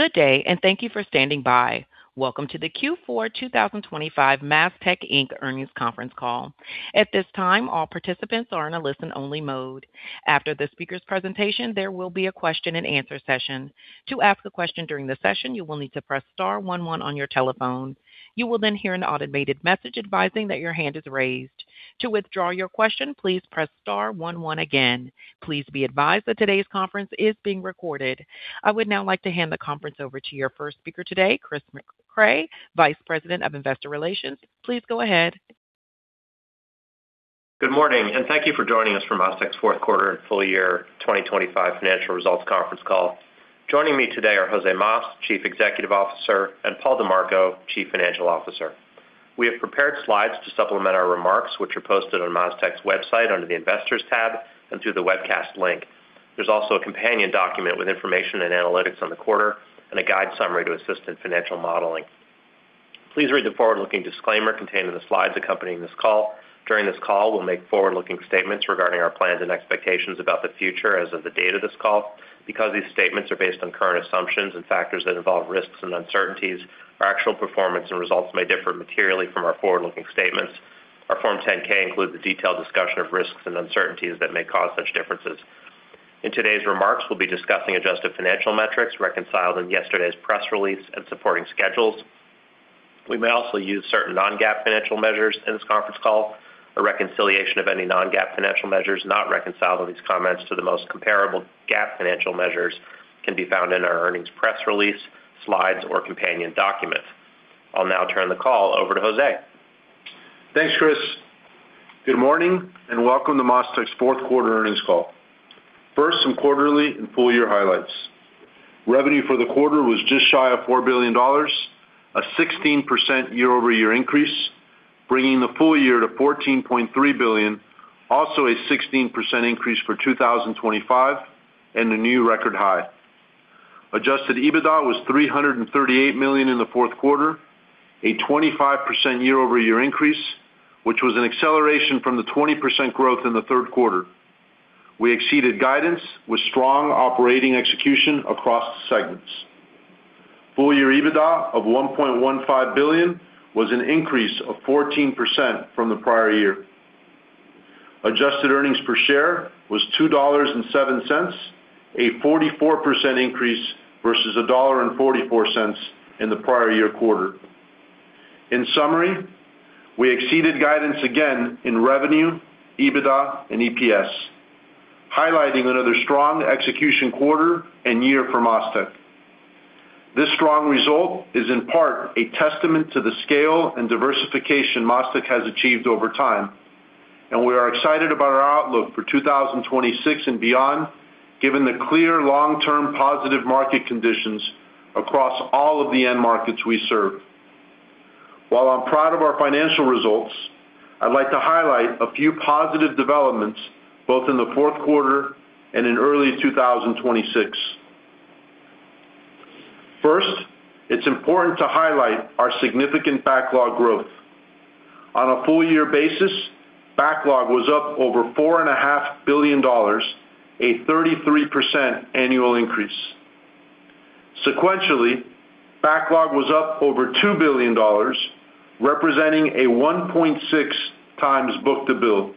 Good day. Thank you for standing by. Welcome to the Q4 2025 MasTec Inc Earnings Conference Call. At this time, all participants are in a listen-only mode. After the speaker's presentation, there will be a question-and-answer session. To ask a question during the session, you will need to press star one one on your telephone. You will hear an automated message advising that your hand is raised. To withdraw your question, please press star one one again. Please be advised that today's conference is being recorded. I would now like to hand the conference over to your first speaker today, Chris Mecray, Vice President of Investor Relations. Please go ahead. Good morning, and thank you for joining us for MasTec's fourth quarter and full year 2025 financial results conference call. Joining me today are Jose Mas, Chief Executive Officer, and Paul DiMarco, Chief Financial Officer. We have prepared slides to supplement our remarks, which are posted on MasTec's website under the Investors tab and through the webcast link. There's also a companion document with information and analytics on the quarter and a guide summary to assist in financial modeling. Please read the forward-looking disclaimer contained in the slides accompanying this call. During this call, we'll make forward-looking statements regarding our plans and expectations about the future as of the date of this call. Because these statements are based on current assumptions and factors that involve risks and uncertainties, our actual performance and results may differ materially from our forward-looking statements. Our Form 10-K includes a detailed discussion of risks and uncertainties that may cause such differences. In today's remarks, we'll be discussing adjusted financial metrics reconciled in yesterday's press release and supporting schedules. We may also use certain non-GAAP financial measures in this conference call. A reconciliation of any non-GAAP financial measures not reconciled in these comments to the most comparable GAAP financial measures can be found in our earnings press release, slides, or companion document. I'll now turn the call over to Jose. Thanks, Chris. Good morning, welcome to MasTec's fourth quarter earnings call. First, some quarterly and full-year highlights. Revenue for the quarter was just shy of $4 billion, a 16% year-over-year increase, bringing the full year to $14.3 billion, also a 16% increase for 2025 and a new record high. Adjusted EBITDA was $338 million in the fourth quarter, a 25% year-over-year increase, which was an acceleration from the 20% growth in the third quarter. We exceeded guidance with strong operating execution across the segments. Full year EBITDA of $1.15 billion was an increase of 14% from the prior year. Adjusted earnings per share was $2.07, a 44% increase versus $1.44 in the prior year quarter. In summary, we exceeded guidance again in revenue, EBITDA, and EPS, highlighting another strong execution quarter and year for MasTec. This strong result is in part a testament to the scale and diversification MasTec has achieved over time, and we are excited about our outlook for 2026 and beyond, given the clear long-term positive market conditions across all of the end markets we serve. While I'm proud of our financial results, I'd like to highlight a few positive developments, both in the fourth quarter and in early 2026. First, it's important to highlight our significant backlog growth. On a full-year basis, backlog was up over four and a half billion dollars, a 33% annual increase. Sequentially, backlog was up over $2 billion, representing a 1.6x book-to-bill.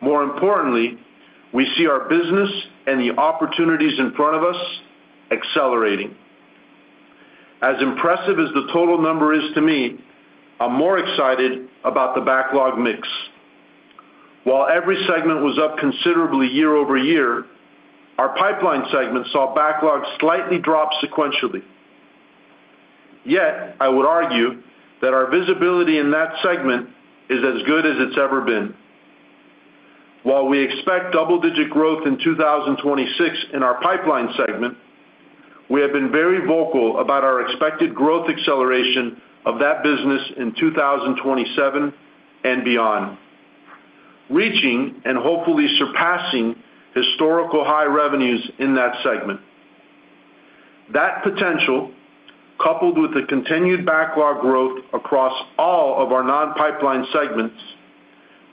More importantly, we see our business and the opportunities in front of us accelerating. As impressive as the total number is to me, I'm more excited about the backlog mix. While every segment was up considerably year-over-year, our pipeline segment saw backlog slightly drop sequentially. I would argue that our visibility in that segment is as good as it's ever been. While we expect double-digit growth in 2026 in our pipeline segment, we have been very vocal about our expected growth acceleration of that business in 2027 and beyond, reaching and hopefully surpassing historical high revenues in that segment. That potential, coupled with the continued backlog growth across all of our non-pipeline segments,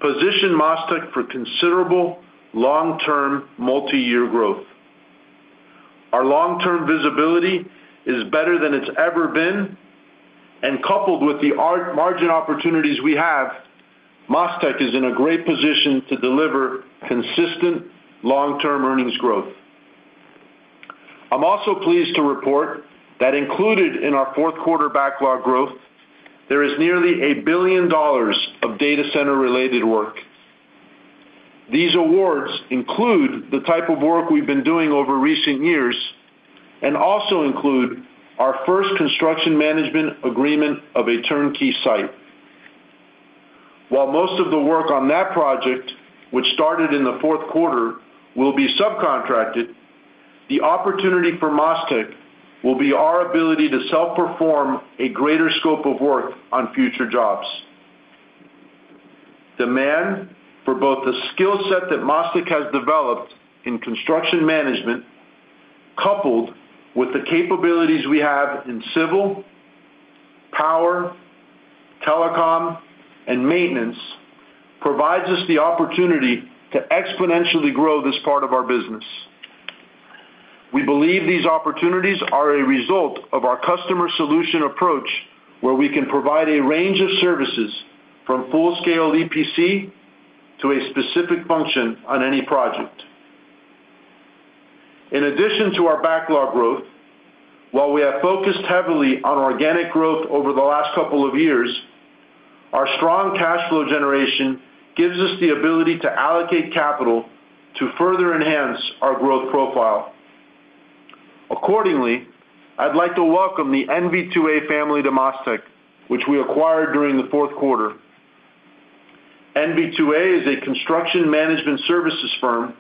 position MasTec for considerable long-term, multi-year growth. Our long-term visibility is better than it's ever been, coupled with the margin opportunities we have, MasTec is in a great position to deliver consistent long-term earnings growth. I'm also pleased to report that included in our fourth quarter backlog growth, there is nearly $1 billion of data center-related work. These awards include the type of work we've been doing over recent years and also include our first construction management agreement of a turnkey site. While most of the work on that project, which started in the fourth quarter, will be subcontracted, the opportunity for MasTec will be our ability to self-perform a greater scope of work on future jobs. Demand for both the skill set that MasTec has developed in construction management, coupled with the capabilities we have in civil, power-com and maintenance provides us the opportunity to exponentially grow this part of our business. We believe these opportunities are a result of our customer solution approach, where we can provide a range of services, from full-scale EPC to a specific function on any project. In addition to our backlog growth, while we have focused heavily on organic growth over the last couple of years, our strong cash flow generation gives us the ability to allocate capital to further enhance our growth profile. Accordingly, I'd like to welcome the NV2A family to MasTec, which we acquired during the fourth quarter. NV2A is a construction management services firm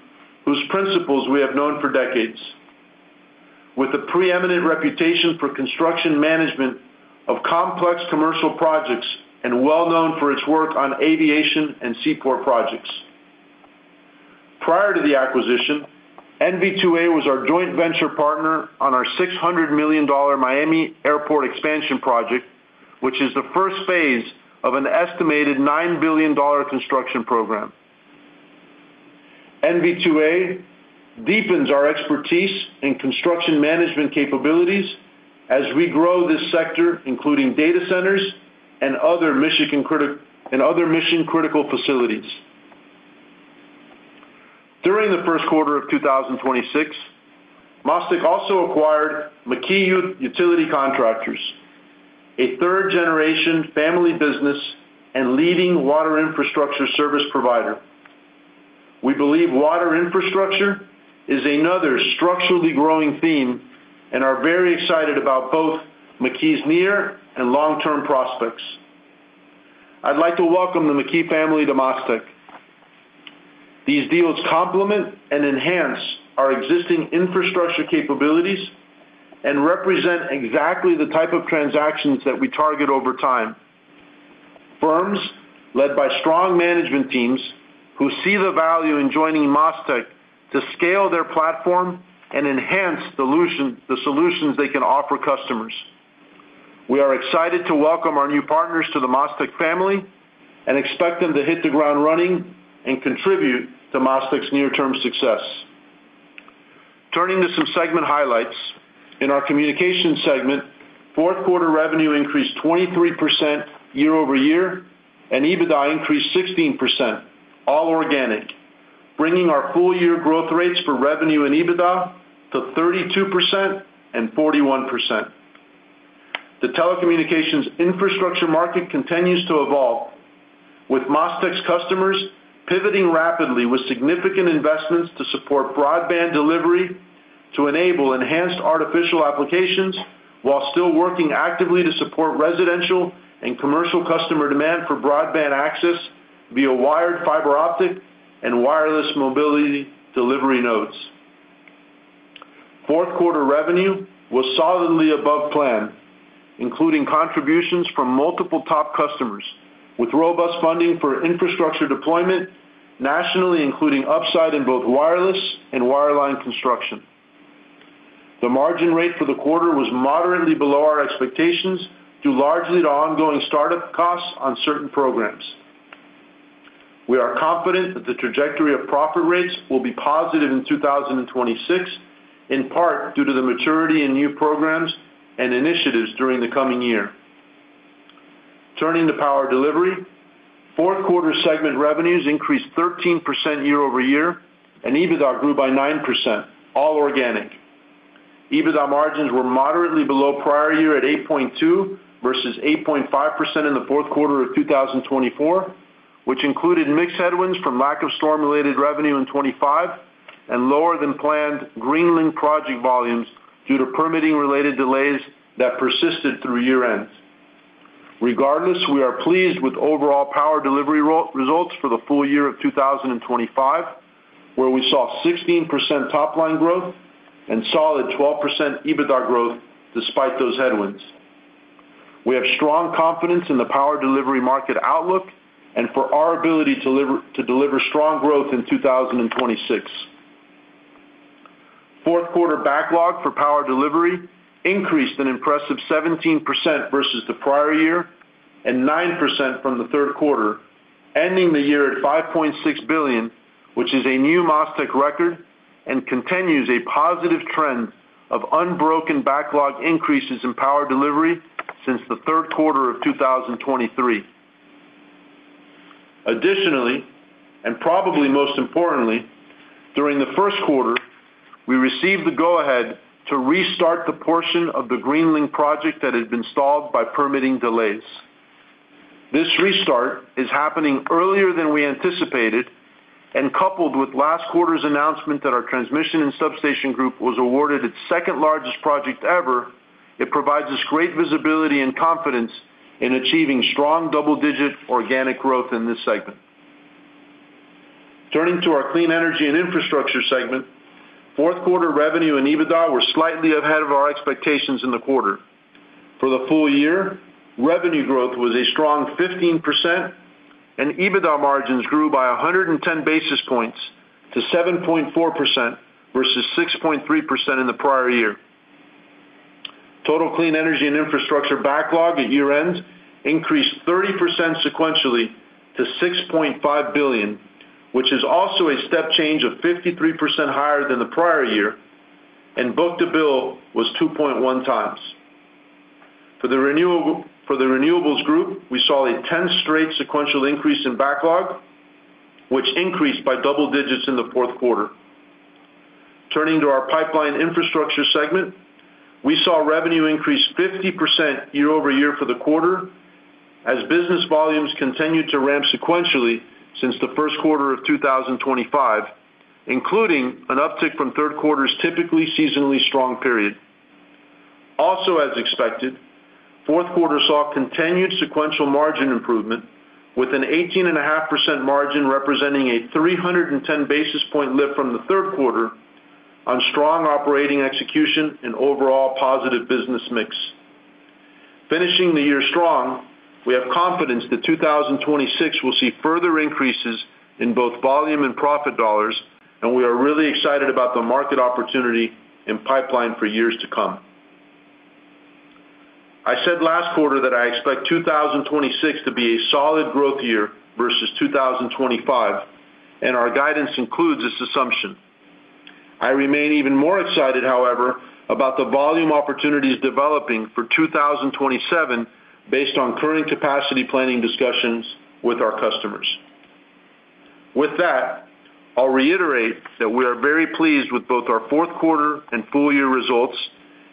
whose principles we have known for decades. With a preeminent reputation for construction management of complex commercial projects and well known for its work on aviation and seaport projects. Prior to the acquisition, NV2A was our joint venture partner on our $600 million Miami Airport expansion project, which is the first phase of an estimated $9 billion construction program. NV2A deepens our expertise in construction management capabilities as we grow this sector, including data centers and other mission-critical facilities. During the first quarter of 2026, MasTec also acquired McKee Utility Contractors, a third-generation family business and leading water infrastructure service provider. We believe water infrastructure is another structurally growing theme and are very excited about both McKee's near and long-term prospects. I'd like to welcome the McKee family to MasTec. These deals complement and enhance our existing infrastructure capabilities and represent exactly the type of transactions that we target over time. Firms led by strong management teams who see the value in joining MasTec to scale their platform and enhance the solutions they can offer customers. We are excited to welcome our new partners to the MasTec family and expect them to hit the ground running and contribute to MasTec's near-term success. Turning to some segment highlights. In our communications segment, fourth quarter revenue increased 23% year-over-year, and EBITDA increased 16%, all organic, bringing our full year growth rates for revenue and EBITDA to 32% and 41%. The telecommunications infrastructure market continues to evolve, with MasTec's customers pivoting rapidly with significant investments to support broadband delivery to enable enhanced artificial applications, while still working actively to support residential and commercial customer demand for broadband access via wired, fiber optic, and wireless mobility delivery nodes. Fourth quarter revenue was solidly above plan, including contributions from multiple top customers, with robust funding for infrastructure deployment nationally, including upside in both wireless and wireline construction. The margin rate for the quarter was moderately below our expectations, due largely to ongoing startup costs on certain programs. We are confident that the trajectory of profit rates will be positive in 2026, in part due to the maturity in new programs and initiatives during the coming year. Turning to power delivery. Fourth quarter segment revenues increased 13% year-over-year, and EBITDA grew by 9%, all organic. EBITDA margins were moderately below prior year at 8.2% versus 8.5% in the fourth quarter of 2024, which included mixed headwinds from lack of storm-related revenue in 2025 and lower than planned Greenlink project volumes due to permitting related delays that persisted through year-end. Regardless, we are pleased with overall power delivery results for the full year of 2025, where we saw 16% top-line growth and solid 12% EBITDA growth despite those headwinds. We have strong confidence in the power delivery market outlook and for our ability to deliver strong growth in 2026. Fourth quarter backlog for power delivery increased an impressive 17% versus the prior year and 9% from the third quarter, ending the year at $5.6 billion, which is a new MasTec record and continues a positive trend of unbroken backlog increases in power delivery since the third quarter of 2023. Additionally, and probably most importantly, during the first quarter, we received the go-ahead to restart the portion of the Greenlink project that had been stalled by permitting delays. This restart is happening earlier than we anticipated, and coupled with last quarter's announcement that our transmission and substation group was awarded its second-largest project ever, it provides us great visibility and confidence in achieving strong double-digit organic growth in this segment. Turning to our clean energy and infrastructure segment, fourth quarter revenue and EBITDA were slightly ahead of our expectations in the quarter. For the full year, revenue growth was a strong 15%, and EBITDA margins grew by 110 basis points to 7.4% versus 6.3% in the prior year. Total clean energy and infrastructure backlog at year-end increased 30% sequentially to $6.5 billion, which is also a step change of 53% higher than the prior year, and book-to-bill was 2.1x. For the renewables group, we saw a 10 straight sequential increase in backlog, which increased by double digits in the fourth quarter. Turning to our pipeline infrastructure segment, we saw revenue increase 50% year-over-year for the quarter, as business volumes continued to ramp sequentially since the first quarter of 2025, including an uptick from third quarter's typically seasonally strong period. As expected, fourth quarter saw continued sequential margin improvement with an 18.5% margin, representing a 310 basis point lift from the third quarter on strong operating execution and overall positive business mix. Finishing the year strong, we have confidence that 2026 will see further increases in both volume and profit dollars, and we are really excited about the market opportunity in pipeline for years to come. I said last quarter that I expect 2026 to be a solid growth year versus 2025, and our guidance includes this assumption. I remain even more excited, however, about the volume opportunities developing for 2027 based on current capacity planning discussions with our customers. With that, I'll reiterate that we are very pleased with both our fourth quarter and full year results,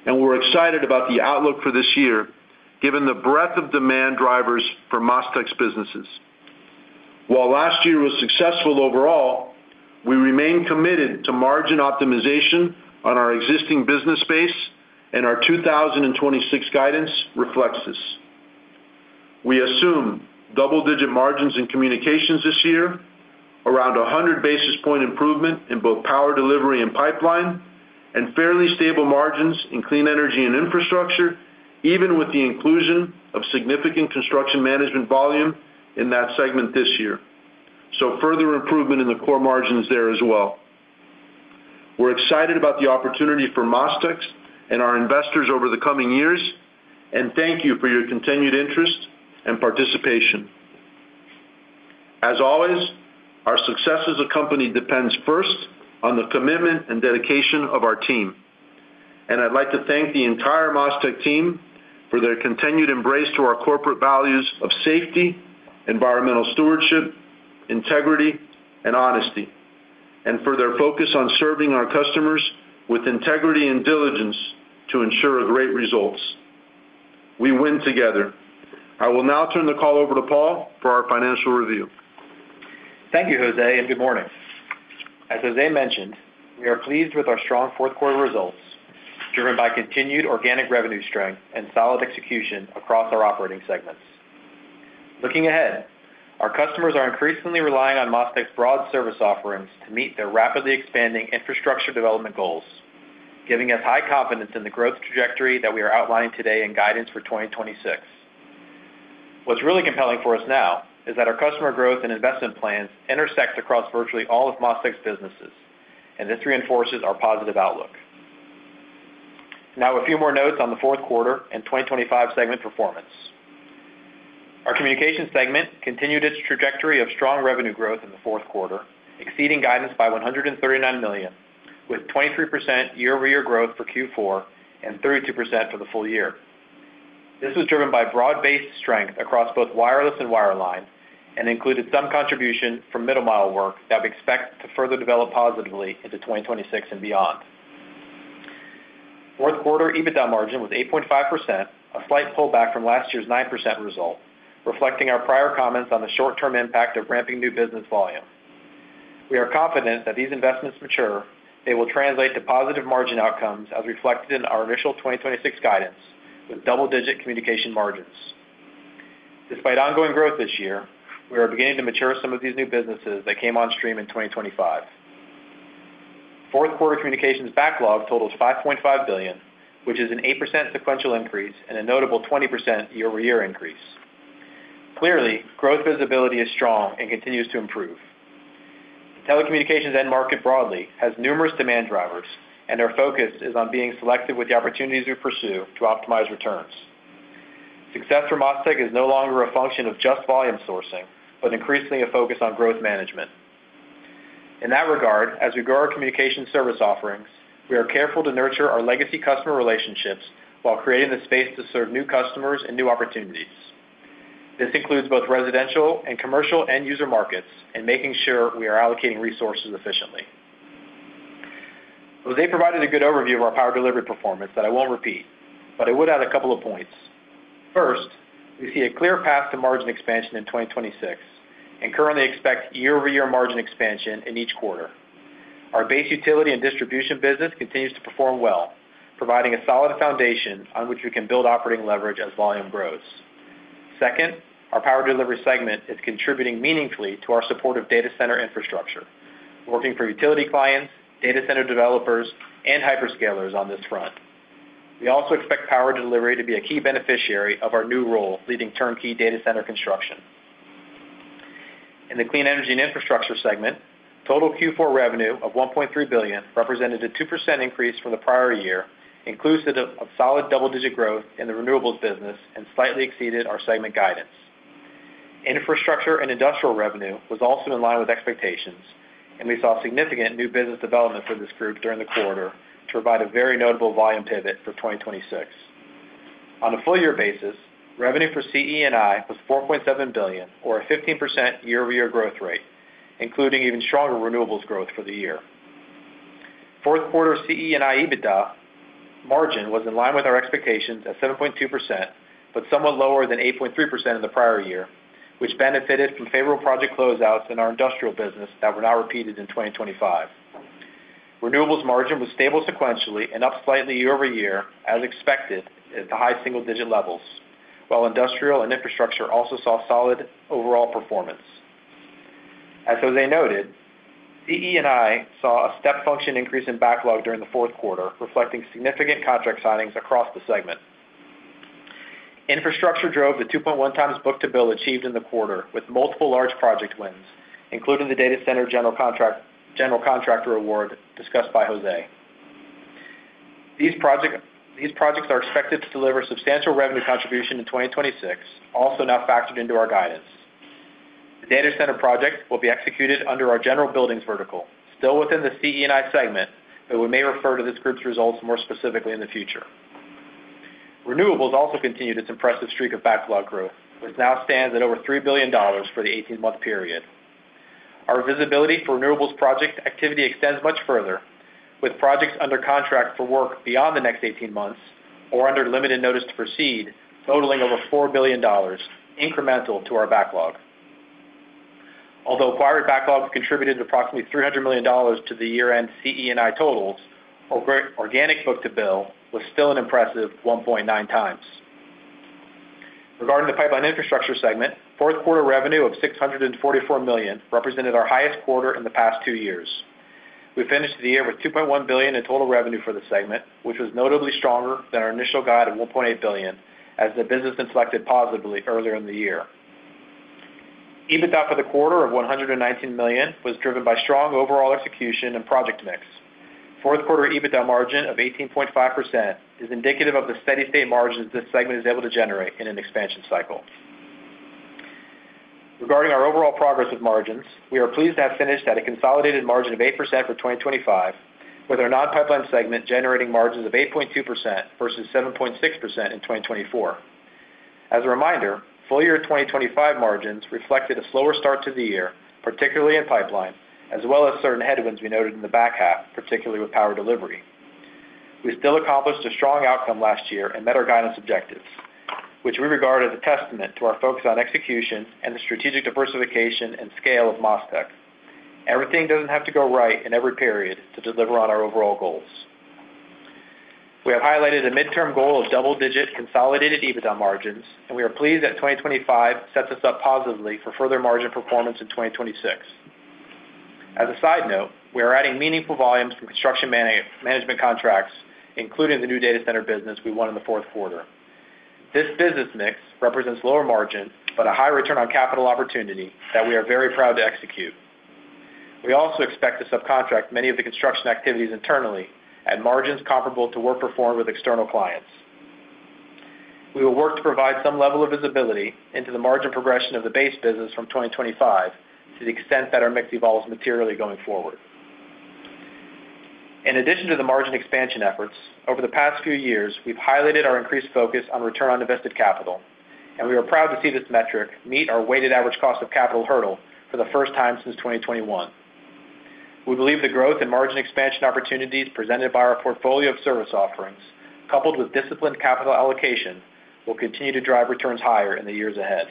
and we're excited about the outlook for this year, given the breadth of demand drivers for MasTec's businesses. While last year was successful overall, we remain committed to margin optimization on our existing business base, and our 2026 guidance reflects this. We assume double-digit margins in communications this year, around 100 basis point improvement in both power delivery and pipeline, and fairly stable margins in clean energy and infrastructure, even with the inclusion of significant construction management volume in that segment this year. Further improvement in the core margins there as well. We're excited about the opportunity for MasTec and our investors over the coming years, and thank you for your continued interest and participation. As always, our success as a company depends first on the commitment and dedication of our team. I'd like to thank the entire MasTec team for their continued embrace to our corporate values of safety, environmental stewardship, integrity, and honesty, and for their focus on serving our customers with integrity and diligence to ensure great results. We win together. I will now turn the call over to Paul for our financial review. Thank you, Jose. Good morning. As Jose mentioned, we are pleased with our strong fourth quarter results, driven by continued organic revenue strength and solid execution across our operating segments. Looking ahead, our customers are increasingly relying on MasTec's broad service offerings to meet their rapidly expanding infrastructure development goals, giving us high confidence in the growth trajectory that we are outlining today in guidance for 2026. What's really compelling for us now is that our customer growth and investment plans intersect across virtually all of MasTec's businesses, and this reinforces our positive outlook. Now, a few more notes on the fourth quarter and 2025 segment performance. Our communication segment continued its trajectory of strong revenue growth in the fourth quarter, exceeding guidance by $139 million, with 23% year-over-year growth for Q4 and 32% for the full year. This was driven by broad-based strength across both wireless and wireline, included some contribution from middle-mile work that we expect to further develop positively into 2026 and beyond. Fourth quarter Adjusted EBITDA margin was 8.5%, a slight pullback from last year's 9% result, reflecting our prior comments on the short-term impact of ramping new business volume. We are confident that these investments mature, they will translate to positive margin outcomes, as reflected in our initial 2026 guidance, with double-digit communication margins. Despite ongoing growth this year, we are beginning to mature some of these new businesses that came on stream in 2025. Fourth quarter communications backlog totals $5.5 billion, which is an 8% sequential increase and a notable 20% year-over-year increase. Clearly, growth visibility is strong and continues to improve. Telecommunications end markets broadly has numerous demand drivers, and our focus is on being selective with the opportunities we pursue to optimize returns. Success for MasTec is no longer a function of just volume sourcing, but increasingly a focus on growth management. In that regard, as we grow our communications service offerings, we are careful to nurture our legacy customer relationships while creating the space to serve new customers and new opportunities. This includes both residential and commercial end-user markets and making sure we are allocating resources efficiently. Jose provided a good overview of our power delivery performance that I won't repeat, but I would add a couple of points. First, we see a clear path to margin expansion in 2026 and currently expect year-over-year margin expansion in each quarter. Our base utility and distribution business continues to perform well, providing a solid foundation on which we can build operating leverage as volume grows. Second, our power delivery segment is contributing meaningfully to our support of data center infrastructure, working for utility clients, data center developers, and hyperscalers on this front. We also expect power delivery to be a key beneficiary of our new role, leading turnkey data center construction. In the Clean Energy and Infrastructure segment, total Q4 revenue of $1.3 billion represented a 2% increase from the prior year, inclusive of solid double-digit growth in the renewables business and slightly exceeded our segment guidance. Infrastructure and industrial revenue was also in line with expectations, and we saw significant new business development for this group during the quarter to provide a very notable volume pivot for 2026. On a full-year basis, revenue for CE & I was $4.7 billion, or a 15% year-over-year growth rate, including even stronger renewables growth for the year. fourth quarter CE & I EBITDA margin was in line with our expectations at 7.2%, but somewhat lower than 8.3% in the prior year, which benefited from favorable project closeouts in our industrial business that were now repeated in 2025. Renewables margin was stable sequentially and up slightly year-over-year, as expected, at the high single-digit levels, while industrial and infrastructure also saw solid overall performance. As Jose noted, CE & I saw a step function increase in backlog during the fourth quarter, reflecting significant contract signings across the segment. Infrastructure drove the 2.1x book-to-bill achieved in the quarter, with multiple large project wins, including the data center general contractor award discussed by Jose. These projects are expected to deliver substantial revenue contribution in 2026, also now factored into our guidance. The data center project will be executed under our general buildings vertical, still within the CE & I segment, but we may refer to this group's results more specifically in the future. Renewables also continued its impressive streak of backlog growth, which now stands at over $3 billion for the 18-month period. Our visibility for renewables project activity extends much further, with projects under contract for work beyond the next 18 months-or-under limited notice to proceed, totaling over $4 billion, incremental to our backlog. Acquired backlogs contributed approximately $300 million to the year-end CE & I totals, organic book-to-bill was still an impressive 1.9 times. Regarding the pipeline infrastructure segment, fourth quarter revenue of $644 million represented our highest quarter in the past two years. We finished the year with $2.1 billion in total revenue for the segment, which was notably stronger than our initial guide of $1.8 billion, as the business inflected positively earlier in the year. EBITDA for the quarter of $119 million was driven by strong overall execution and project mix. Fourth quarter EBITDA margin of 18.5% is indicative of the steady-state margins this segment is able to generate in an expansion cycle. Regarding our overall progress with margins, we are pleased to have finished at a consolidated margin of 8% for 2025, with our non-pipeline segment generating margins of 8.2% versus 7.6% in 2024. As a reminder, full year 2025 margins reflected a slower start to the year, particularly in pipeline, as well as certain headwinds we noted in the back half, particularly with power delivery. We still accomplished a strong outcome last year and met our guidance objectives, which we regard as a testament to our focus on execution and the strategic diversification and scale of MasTec. Everything doesn't have to go right in every period to deliver on our overall goals. We have highlighted a midterm goal of double-digit consolidated EBITDA margins, and we are pleased that 2025 sets us up positively for further margin performance in 2026. As a side note, we are adding meaningful volumes from construction management contracts, including the new data center business we won in the fourth quarter. This business mix represents lower margin, but a high return on capital opportunity that we are very proud to execute. We also expect to subcontract many of the construction activities internally at margins comparable to work performed with external clients. We will work to provide some level of visibility into the margin progression of the base business from 2025 to the extent that our mix evolves materially going forward. In addition to the margin expansion efforts, over the past few years, we've highlighted our increased focus on Return on Invested Capital, and we are proud to see this metric meet our weighted average cost of capital hurdle for the first time since 2021. We believe the growth and margin expansion opportunities presented by our portfolio of service offerings, coupled with disciplined capital allocation, will continue to drive returns higher in the years ahead.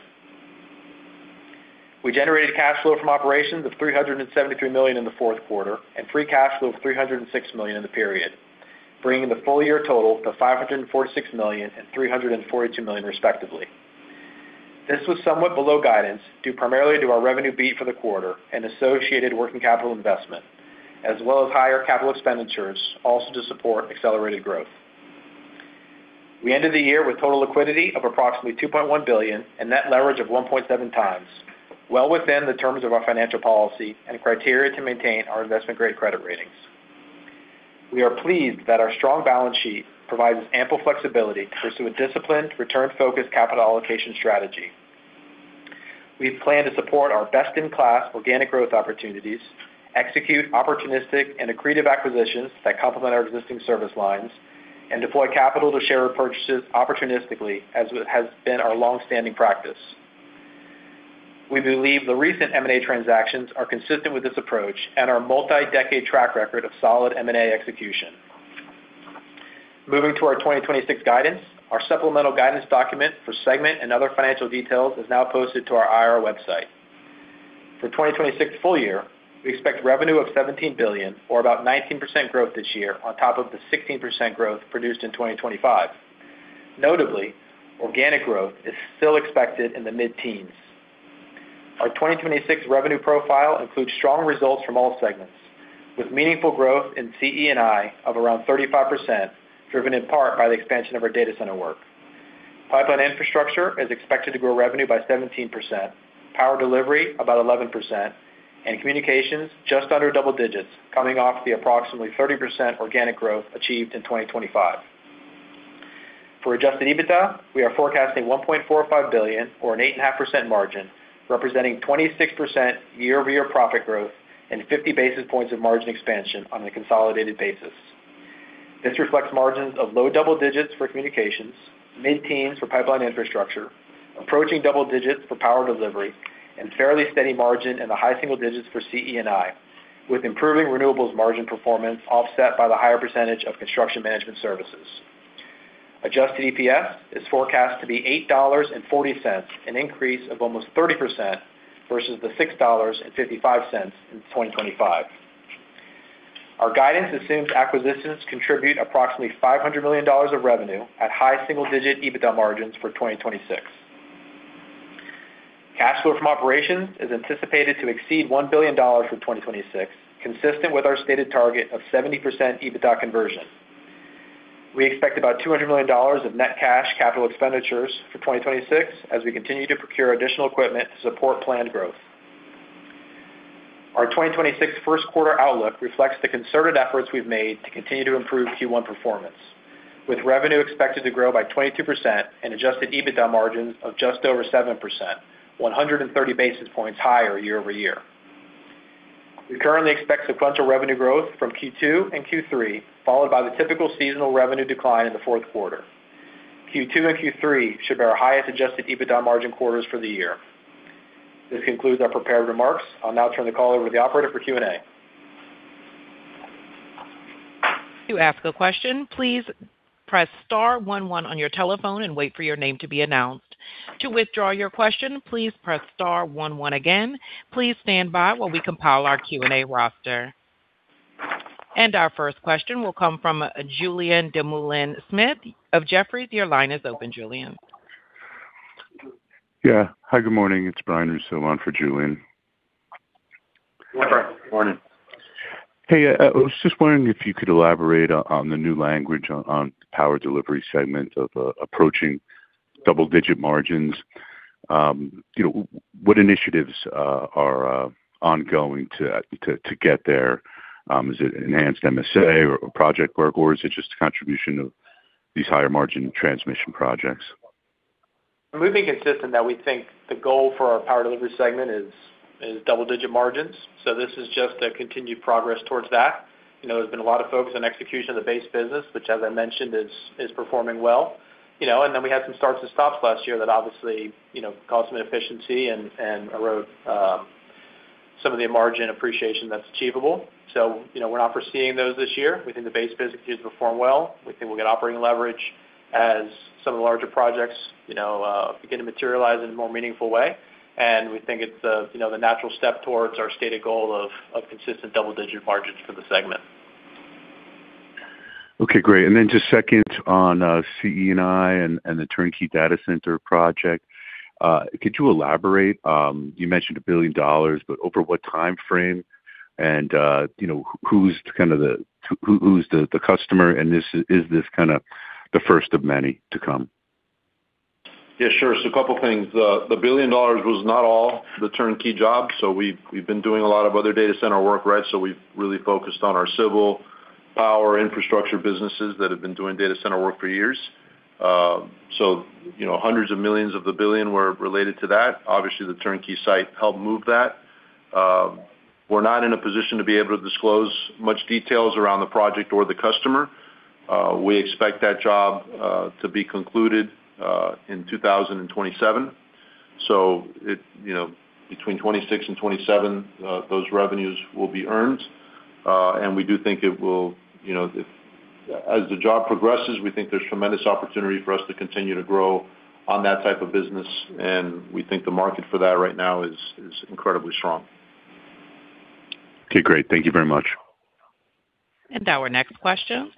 We generated cash flow from operations of $373 million in the fourth quarter and free cash flow of $306 million in the period, bringing the full year total to $546 million and $342 million, respectively. This was somewhat below guidance, due primarily to our revenue beat for the quarter and associated working capital investment, as well as higher capital expenditures, also to support accelerated growth. We ended the year with total liquidity of approximately $2.1 billion and net leverage of 1.7x, well within the terms of our financial policy and criteria to maintain our investment-grade credit ratings. We are pleased that our strong balance sheet provides ample flexibility to pursue a disciplined, return-focused capital allocation strategy. We plan to support our best-in-class organic growth opportunities, execute opportunistic and accretive acquisitions that complement our existing service lines, and deploy capital to share repurchases opportunistically, as has been our long-standing practice. We believe the recent M&A transactions are consistent with this approach and our multi-decade track record of solid M&A execution. Moving to our 2026 guidance, our supplemental guidance document for segment and other financial details is now posted to our IR website. For 2026 full year, we expect revenue of $17 billion, or about 19% growth this year, on top of the 16% growth produced in 2025. Notably, organic growth is still expected in the mid-teens. Our 2026 revenue profile includes strong results from all segments, with meaningful growth in CE & I of around 35%, driven in part by the expansion of our data center work. Pipeline infrastructure is expected to grow revenue by 17%, power delivery about 11%, and communications just under double digits, coming off the approximately 30% organic growth achieved in 2025. For Adjusted EBITDA, we are forecasting $1.45 billion, or an 8.5% margin, representing 26% year-over-year profit growth and 50 basis points of margin expansion on a consolidated basis. This reflects margins of low double digits for communications, mid-teens for pipeline infrastructure, approaching double digits for power delivery, and fairly steady margin in the high single digits for CE & I, with improving renewables margin performance offset by the higher percentage of construction management services. Adjusted EPS is forecast to be $8.40, an increase of almost 30% versus the $6.55 in 2025. Our guidance assumes acquisitions contribute approximately $500 million of revenue at high single-digit EBITDA margins for 2026. Cash flow from operations is anticipated to exceed $1 billion for 2026, consistent with our stated target of 70% EBITDA conversion. We expect about $200 million of net cash capital expenditures for 2026 as we continue to procure additional equipment to support planned growth. Our 2026 first quarter outlook reflects the concerted efforts we've made to continue to improve Q1 performance, with revenue expected to grow by 22% and Adjusted EBITDA margins of just over 7%, 130 basis points higher year-over-year. We currently expect sequential revenue growth from Q2 and Q3, followed by the typical seasonal revenue decline in the fourth quarter. Q2 and Q3 should be our highest Adjusted EBITDA margin quarters for the year. This concludes our prepared remarks. I'll now turn the call over to the operator for Q&A. To ask a question, please press star one one on your telephone and wait for your name to be announced. To withdraw your question, please press star one one again. Please stand by while we compile our Q&A roster. Our first question will come from Julien Dumoulin-Smith of Jefferies. Your line is open, Julien. Yeah. Hi, good morning. It's Brian Russo on for Julien. Morning. Hey, I was just wondering if you could elaborate on the new language on power delivery segment of approaching double-digit margins? You know, what initiatives are ongoing to get there? Is it enhanced MSA or project work, or is it just a contribution of these higher margin transmission projects? We've been consistent that we think the goal for our power delivery segment is double-digit margins. This is just a continued progress towards that. You know, there's been a lot of focus on execution of the base business, which, as I mentioned, is performing well. You know, we had some starts and stops last year that obviously, you know, caused some inefficiency and erode some of the margin appreciation that's achievable. You know, we're not foreseeing those this year. We think the base business continues to perform well. We think we'll get operating leverage as some of the larger projects, you know, begin to materialize in a more meaningful way. We think it's the, you know, the natural step towards our stated goal of consistent double-digit margins for the segment. Okay, great. Just second on CE & I and the turnkey data center project, could you elaborate? You mentioned $1 billion, but over what time frame? you know, who's the customer? Is this kind of the first of many to come? Yeah, sure. A couple of things. The $1 billion was not all the turnkey job. We've been doing a lot of other data center work, right? We've really focused on our civil power infrastructure businesses that have been doing data center work for years. You know, hundreds of millions of the $1 billion were related to that. Obviously, the turnkey site helped move that. We're not in a position to be able to disclose much details around the project or the customer. We expect that job to be concluded in 2027. You know, between 2026 and 2027, those revenues will be earned. We do think it will, you know, if as the job progresses, we think there's tremendous opportunity for us to continue to grow on that type of business, and we think the market for that right now is incredibly strong. Okay, great. Thank you very much. Our next question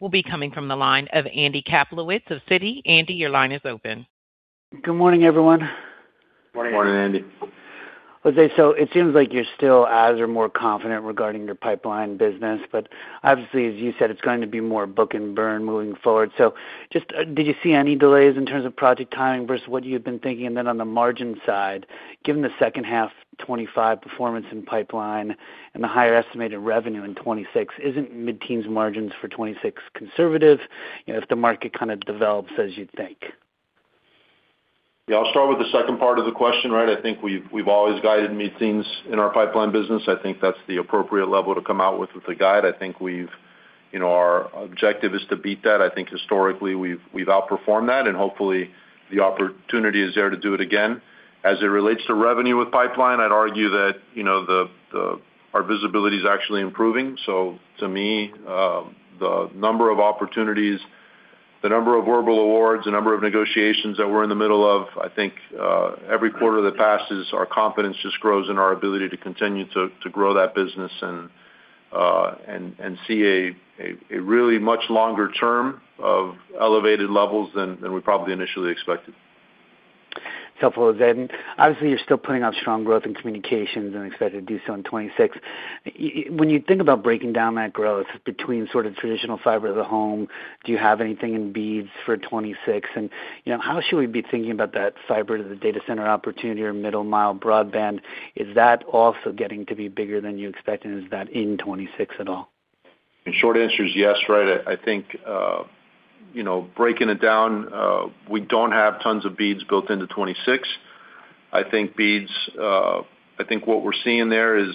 will be coming from the line of Andy Kaplowitz of Citi. Andy, your line is open. Good morning, everyone. Morning. Morning, Andy. Okay, it seems like you're still as or more confident regarding your pipeline business, but obviously, as you said, it's going to be more book and burn moving forward. Just, did you see any delays in terms of project timing versus what you've been thinking? On the margin side, given the second half 2025 performance in pipeline and the higher estimated revenue in 2026, isn't mid-teens margins for 2026 conservative, you know, if the market kind of develops as you'd think? Yeah, I'll start with the second part of the question, right? I think we've always guided mid-teens in our pipeline business. I think that's the appropriate level to come out with the guide. I think we've, you know, our objective is to beat that. I think historically, we've outperformed that, and hopefully, the opportunity is there to do it again. As it relates to revenue with pipeline, I'd argue that, you know, our visibility is actually improving. To me, the number of opportunities, the number of verbal awards, the number of negotiations that we're in the middle of, I think, every quarter that passes, our confidence just grows in our ability to continue to grow that business and see a really much longer term of elevated levels than we probably initially expected. ...self-hold, Jose. Obviously, you're still putting out strong growth in communications and expected to do so in 2026. When you think about breaking down that growth between sort of traditional fiber to the home, do you have anything in BEAD for 2026? You know, how should we be thinking about that fiber to the data center opportunity or middle-mile broadband? Is that also getting to be bigger than you expected, and is that in 2026 at all? The short answer is yes, right? I think, you know, breaking it down, we don't have tons of BEAD built into 2026. I think BEAD, I think what we're seeing there is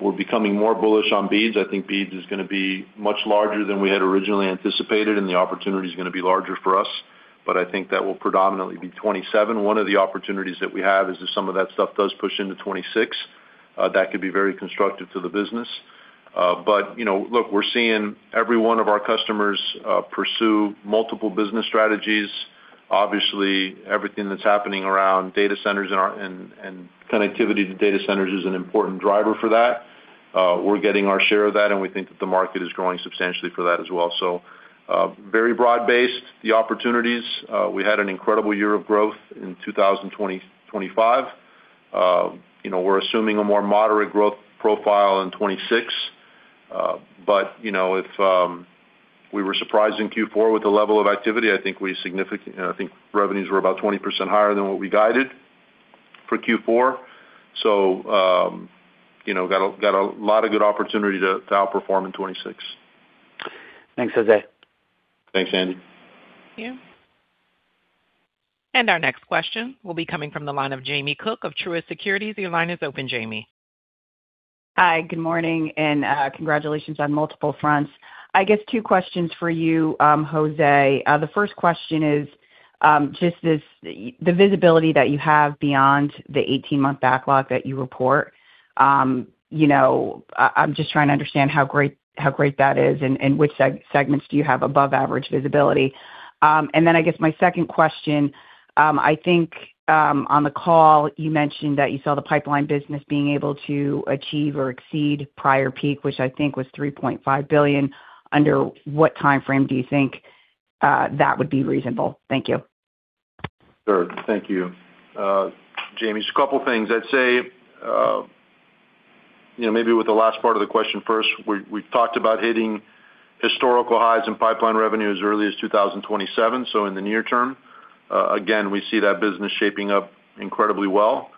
we're becoming more bullish on BEAD. I think BEAD is gonna be much larger than we had originally anticipated, and the opportunity is gonna be larger for us. I think that will predominantly be 2027. One of the opportunities that we have is if some of that stuff does push into 2026, that could be very constructive to the business. You know, look, we're seeing every one of our customers pursue multiple business strategies. Obviously, everything that's happening around data centers and connectivity to data centers is an important driver for that. We're getting our share of that, and we think that the market is growing substantially for that as well. Very broad-based, the opportunities. We had an incredible year of growth in 2020, 2025. You know, we're assuming a more moderate growth profile in 2026. You know, if we were surprised in Q4 with the level of activity, I think revenues were about 20% higher than what we guided for Q4. You know, got a lot of good opportunity to outperform in 2026. Thanks, Jose. Thanks, Andy. Thank you. Our next question will be coming from the line of Jamie Cook of Truist Securities. Your line is open, Jamie. Hi, good morning, and congratulations on multiple fronts. I guess two questions for you, Jose. The first question is just the visibility that you have beyond the 18-month backlog that you report. You know, I'm just trying to understand how great that is and which segments do you have above average visibility. I guess my second question, I think on the call, you mentioned that you saw the pipeline business being able to achieve or exceed prior peak, which I think was $3.5 billion. Under what time frame do you think that would be reasonable? Thank you. Sure. Thank you, Jamie. Just a couple things. I'd say, you know, maybe with the last part of the question first, we talked about hitting historical highs in pipeline revenue as early as 2027, so in the near term. Again, we see that business shaping up incredibly well.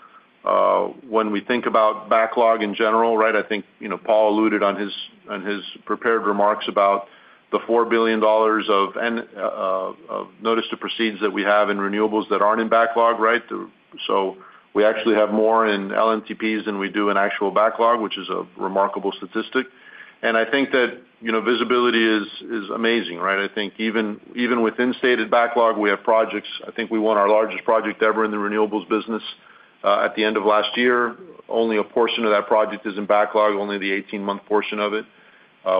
When we think about backlog in general, right, I think, you know, Paul alluded on his, on his prepared remarks about the $4 billion of notice to proceeds that we have in renewables that aren't in backlog, right? We actually have more in LNTPs than we do in actual backlog, which is a remarkable statistic. I think that, you know, visibility is amazing, right? I think even within stated backlog, we have projects... I think we won our largest project ever in the renewables business, at the end of last year. Only a portion of that project is in backlog, only the 18-month portion of it.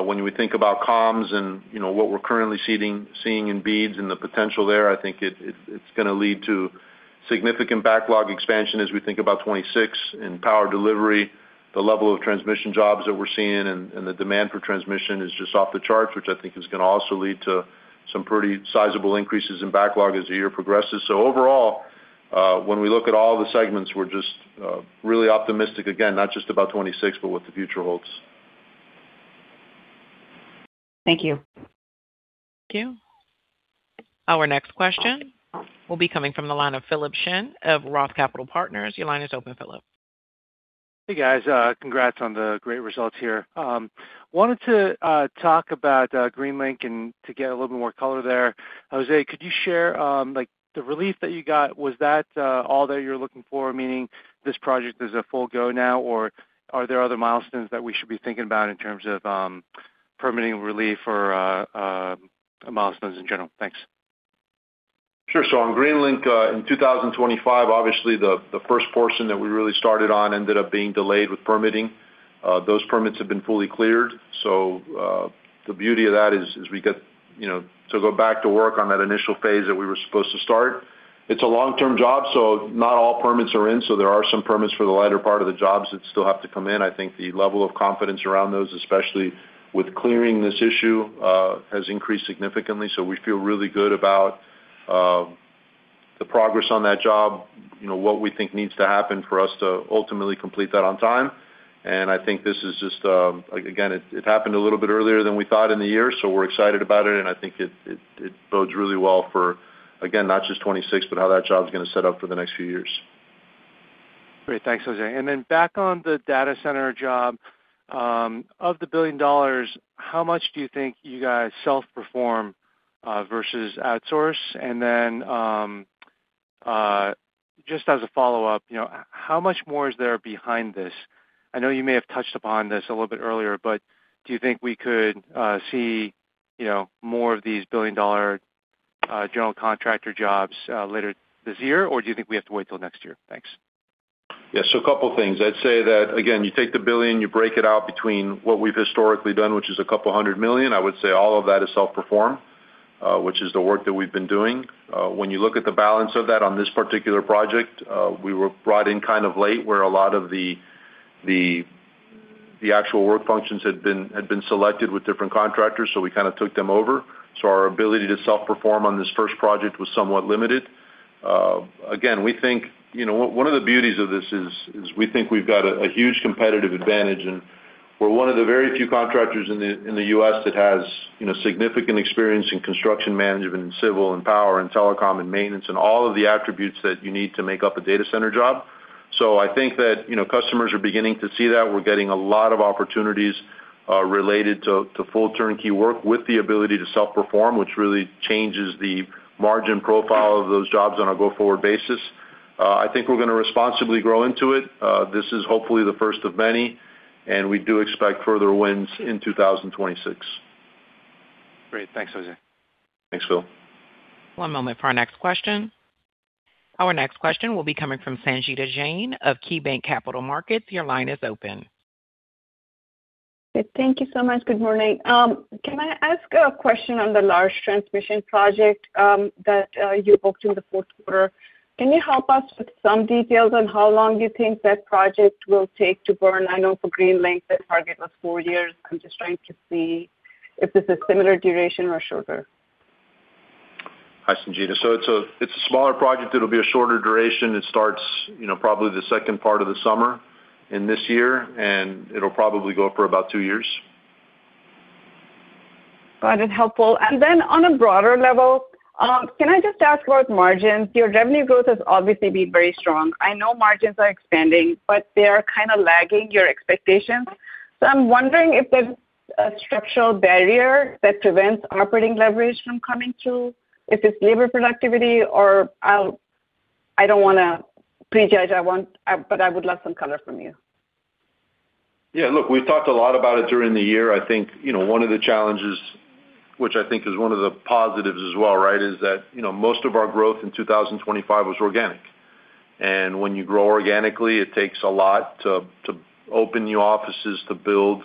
When we think about comms and, you know, what we're currently seeing in BEAD and the potential there, I think it's gonna lead to significant backlog expansion as we think about 2026. In power delivery, the level of transmission jobs that we're seeing and the demand for transmission is just off the charts, which I think is gonna also lead to some pretty sizable increases in backlog as the year progresses. Overall, when we look at all the segments, we're just really optimistic, again, not just about 2026, but what the future holds. Thank you. Thank you. Our next question will be coming from the line of Philip Shen of Roth Capital Partners. Your line is open, Philip. Hey, guys, congrats on the great results here. Wanted to talk about Greenlink and to get a little bit more color there. Jose, could you share, like the relief that you got, was that all that you're looking for, meaning this project is a full go now, or are there other milestones that we should be thinking about in terms of permitting relief or milestones in general? Thanks. Sure. On Greenlink, in 2025, obviously, the first portion that we really started on ended up being delayed with permitting. Those permits have been fully cleared. The beauty of that is we get, you know, to go back to work on that initial phase that we were supposed to start. It's a long-term job. Not all permits are in. There are some permits for the latter part of the jobs that still have to come in. I think the level of confidence around those, especially with clearing this issue, has increased significantly. We feel really good about the progress on that job, you know, what we think needs to happen for us to ultimately complete that on time. I think this is just, again, it happened a little bit earlier than we thought in the year, so we're excited about it, and I think it, it bodes really well for, again, not just 2026, but how that job is gonna set up for the next few years. Great. Thanks, Jose. Back on the data center job, of the $1 billion, how much do you think you guys self-perform versus outsource? Just as a follow-up, you know, how much more is there behind this? I know you may have touched upon this a little bit earlier, but do you think we could see, you know, more of these billion-dollar general contractor jobs later this year, or do you think we have to wait till next year? Thanks. A couple things. I'd say that, again, you take the $1 billion, you break it out between what we've historically done, which is $200 million. I would say all of that is self-performed, which is the work that we've been doing. When you look at the balance of that on this particular project, we were brought in kind of late, where a lot of the actual work functions had been selected with different contractors, we kind of took them over. Our ability to self-perform on this first project was somewhat limited. Again, we think, you know, one of the beauties of this is we think we've got a huge competitive advantage, and we're one of the very few contractors in the U.S. that has, you know, significant experience in construction management, and civil, and power, and telecom, and maintenance, and all of the attributes that you need to make up a data center job. I think that, you know, customers are beginning to see that. We're getting a lot of opportunities related to full turnkey work with the ability to self-perform, which really changes the margin profile of those jobs on a go-forward basis. I think we're gonna responsibly grow into it. This is hopefully the first of many, and we do expect further wins in 2026. Great. Thanks, Jose. Thanks, Phil. One moment for our next question. Our next question will be coming from Sangita Jain of KeyBanc Capital Markets. Your line is open. Thank you so much. Good morning. Can I ask a question on the large transmission project that you booked in the fourth quarter? Can you help us with some details on how long you think that project will take to burn? I know for Greenlink, that target was four years. I'm just trying to see if this is similar duration or shorter. Hi, Sangita. It's a smaller project. It'll be a shorter duration. It starts, you know, probably the second part of the summer in this year, and it'll probably go for about two years. Got it. Helpful. On a broader level, can I just ask about margins? Your revenue growth has obviously been very strong. I know margins are expanding, but they are kind of lagging your expectations. I'm wondering if there's a structural barrier that prevents operating leverage from coming through, if it's labor productivity or I don't wanna pre-judge, I want, but I would love some color from you. Yeah, look, we've talked a lot about it during the year. I think, you know, one of the challenges, which I think is one of the positives as well, right, is that, you know, most of our growth in 2025 was organic. When you grow organically, it takes a lot to open new offices, to build,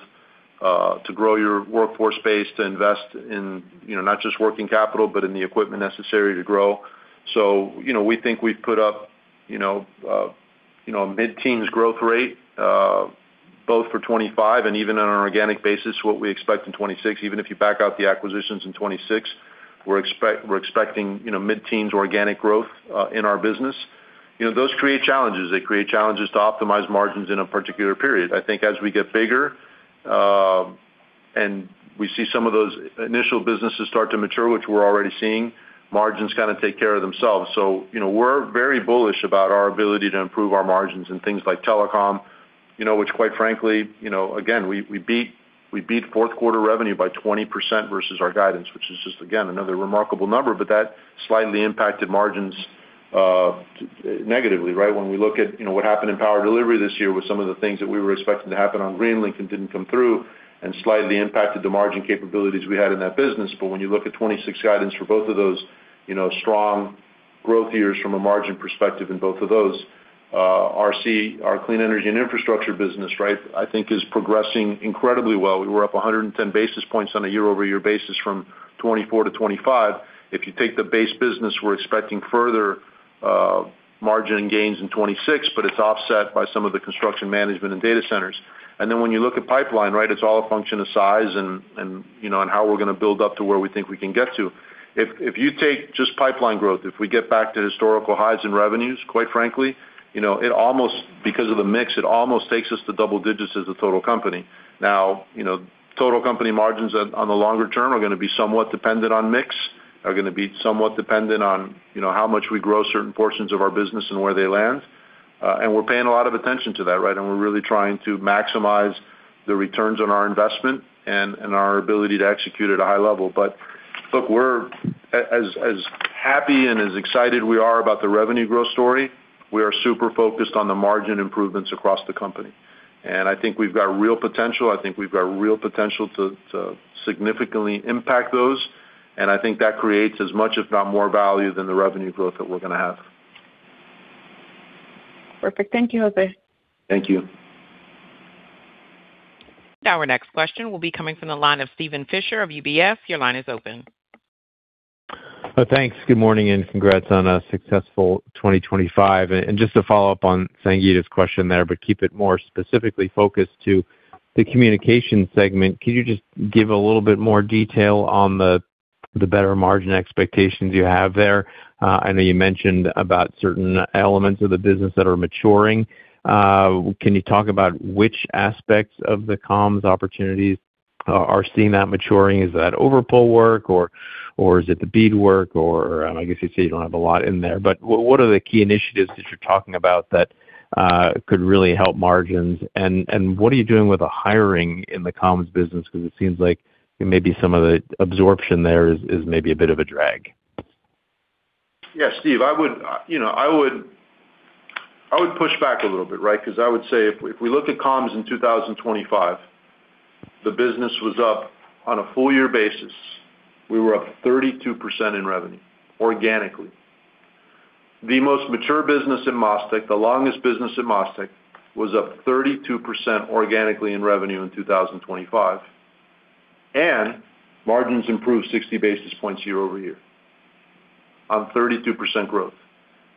to grow your workforce base, to invest in, you know, not just working capital, but in the equipment necessary to grow. You know, we think we've put up, you know, a mid-teens growth rate, both for 2025 and even on an organic basis, what we expect in 2026, even if you back out the acquisitions in 2026, we're expecting, you know, mid-teens organic growth in our business. You know, those create challenges. They create challenges to optimize margins in a particular period. I think as we get bigger, and we see some of those initial businesses start to mature, which we're already seeing, margins kind of take care of themselves. You know, we're very bullish about our ability to improve our margins in things like telecom, you know, which quite frankly, you know, again, we beat fourth quarter revenue by 20% versus our guidance, which is just, again, another remarkable number, but that slightly impacted margins negatively, right? We look at, you know, what happened in power delivery this year with some of the things that we were expecting to happen on Greenlink and didn't come through and slightly impacted the margin capabilities we had in that business. When you look at 2026 guidance for both of those, you know, strong growth years from a margin perspective in both of those, our CE, our clean energy and infrastructure business, right, I think is progressing incredibly well. We were up 110 basis points on a year-over-year basis from 2024 to 2025. If you take the base business, we're expecting further margin gains in 2026, but it's offset by some of the construction management and data centers. When you look at pipeline, right, it's all a function of size and, you know, and how we're gonna build up to where we think we can get to. If you take just pipeline growth, if we get back to historical highs in revenues, quite frankly, you know, it almost, because of the mix, it almost takes us to double digits as a total company. You know, total company margins on the longer term are going to be somewhat dependent on mix, are going to be somewhat dependent on, you know, how much we grow certain portions of our business and where they land. We're paying a lot of attention to that, right? We're really trying to maximize the returns on our investment and our ability to execute at a high level. Look, we're as happy and as excited we are about the revenue growth story, we are super focused on the margin improvements across the company. I think we've got real potential. I think we've got real potential to significantly impact those. I think that creates as much, if not more value than the revenue growth that we're gonna have. Perfect. Thank you, Jose. Thank you. Our next question will be coming from the line of Steven Fisher of UBS. Your line is open. Thanks. Good morning. Congrats on a successful 2025. Just to follow up on Sangita's question there, but keep it more specifically focused to the communication segment, can you just give a little bit more detail on the better margin expectations you have there? I know you mentioned about certain elements of the business that are maturing. Can you talk about which aspects of the comms opportunities are seeing that maturing? Is that over-pole work or is it the BEAD work, or I guess you say you don't have a lot in there, but what are the key initiatives that you're talking about that could really help margins? What are you doing with the hiring in the comms business? Because it seems like maybe some of the absorption there is maybe a bit of a drag. Yeah, Steve, you know, I would push back a little bit, right? I would say if we look at comms in 2025, the business was up on a full year basis. We were up 32% in revenue, organically. The most mature business in MasTec, the longest business in MasTec, was up 32% organically in revenue in 2025, and margins improved 60 basis points year-over-year on 32% growth.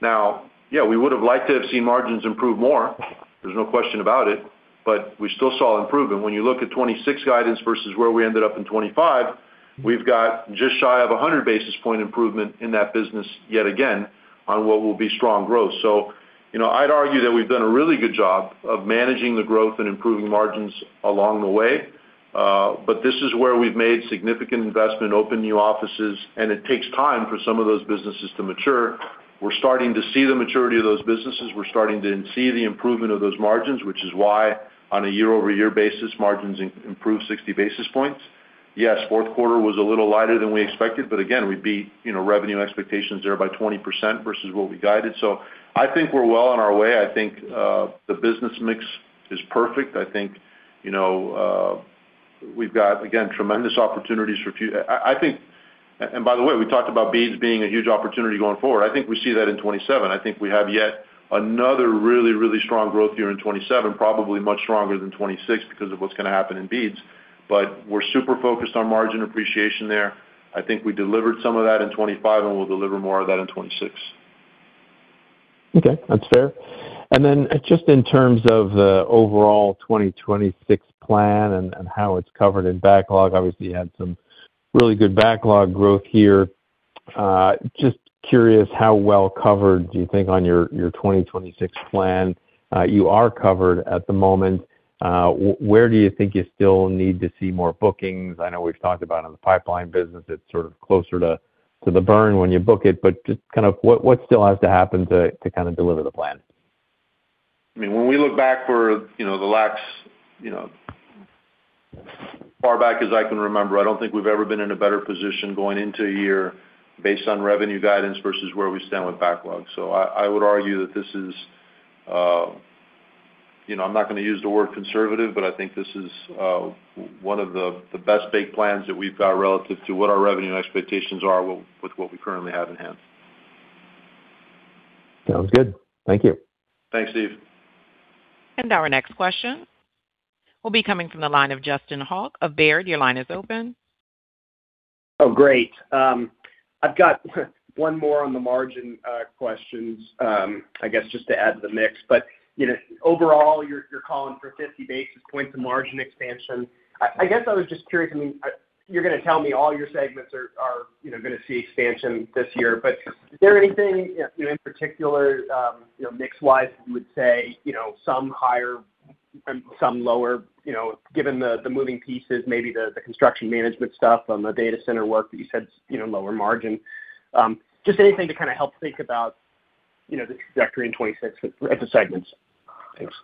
Yeah, we would have liked to have seen margins improve more, there's no question about it, but we still saw improvement. When you look at 2026 guidance versus where we ended up in 2025, we've got just shy of a 100 basis point improvement in that business yet again on what will be strong growth. You know, I'd argue that we've done a really good job of managing the growth and improving margins along the way, but this is where we've made significant investment, opened new offices, and it takes time for some of those businesses to mature. We're starting to see the maturity of those businesses. We're starting to see the improvement of those margins, which is why, on a year-over-year basis, margins improved 60 basis points. Yes, fourth quarter was a little lighter than we expected, but again, we beat, you know, revenue expectations there by 20% versus what we guided. I think we're well on our way. I think the business mix is perfect. I think, you know, we've got, again, tremendous opportunities. I think. By the way, we talked about BEAD being a huge opportunity going forward. I think we see that in 2027. I think we have yet another really, really strong growth year in 2027, probably much stronger than 2026 because of what's gonna happen in BEAD. We're super focused on margin appreciation there. I think we delivered some of that in 2025, and we'll deliver more of that in 2026. That's fair. Then just in terms of the overall 2026 plan and how it's covered in backlog, obviously, you had some really good backlog growth here. Just curious, how well covered do you think on your 2026 plan? You are covered at the moment. Where do you think you still need to see more bookings? I know we've talked about in the pipeline business, it's sort of closer to the burn when you book it, but just kind of what still has to happen to kind of deliver the plan? I mean, when we look back for, you know, the last, you know, far back as I can remember, I don't think we've ever been in a better position going into a year based on revenue guidance versus where we stand with backlog. I would argue that this is, you know, I'm not gonna use the word conservative, but I think this is one of the best-baked plans that we've got relative to what our revenue and expectations are with what we currently have in hand. Sounds good. Thank you. Thanks, Steve. Our next question will be coming from the line of Justin Hauke of Baird. Your line is open. Oh, great. I've got one more on the margin questions, I guess, just to add to the mix. You know, overall, you're calling for 50 basis points of margin expansion. I guess I was just curious, I mean, you're gonna tell me all your segments are, you know, gonna see expansion this year. Is there anything in particular, you know, mix-wise, you would say, you know, some higher, and some lower, you know, given the moving pieces, maybe the construction management stuff on the data center work that you said, you know, lower margin? Just anything to kind of help think about, you know, the trajectory in 2026 at the segments. Thanks.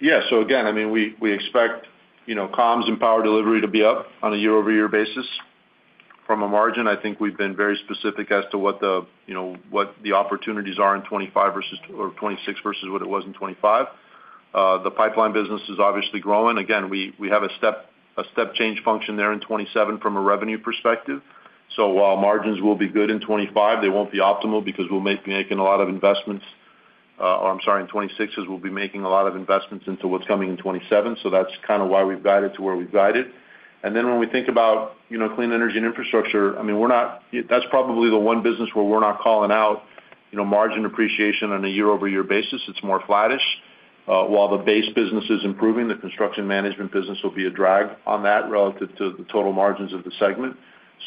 Yeah. Again, I mean, we expect, you know, comms and power delivery to be up on a year-over-year basis. From a margin, I think we've been very specific as to what the, you know, what the opportunities are in 2025 or 2026 versus what it was in 2025. The pipeline business is obviously growing. Again, we have a step change function there in 2027 from a revenue perspective. While margins will be good in 2025, they won't be optimal because we'll be making a lot of investments, or I'm sorry, in 2026, as we'll be making a lot of investments into what's coming in 2027. That's kind of why we've guided to where we've guided. When we think about, you know, clean energy and infrastructure, I mean, we're not. That's probably the one business where we're not calling out, you know, margin appreciation on a year-over-year basis. It's more flattish. While the base business is improving, the construction management business will be a drag on that relative to the total margins of the segment.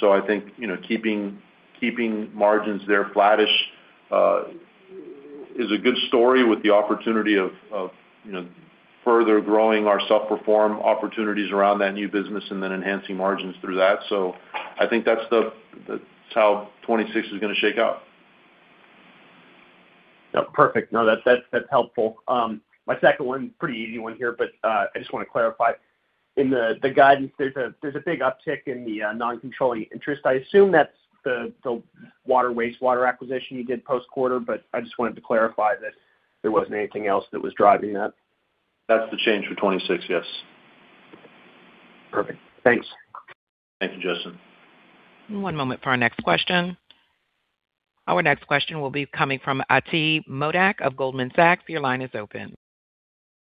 I think, you know, keeping margins there flattish, is a good story with the opportunity of, you know, further growing our self-perform opportunities around that new business and then enhancing margins through that. I think that's the that's how 2026 is gonna shake out. Yeah, perfect. No, that's helpful. My second one, pretty easy one here, but I just want to clarify. In the guidance, there's a big uptick in the non-controlling interest. I assume that's the water- wastewater acquisition you did post-quarter, but I just wanted to clarify that there wasn't anything else that was driving that. That's the change for 2026, yes. Perfect. Thanks. Thank you, Justin. One moment for our next question. Our next question will be coming from Ati Modak of Goldman Sachs. Your line is open.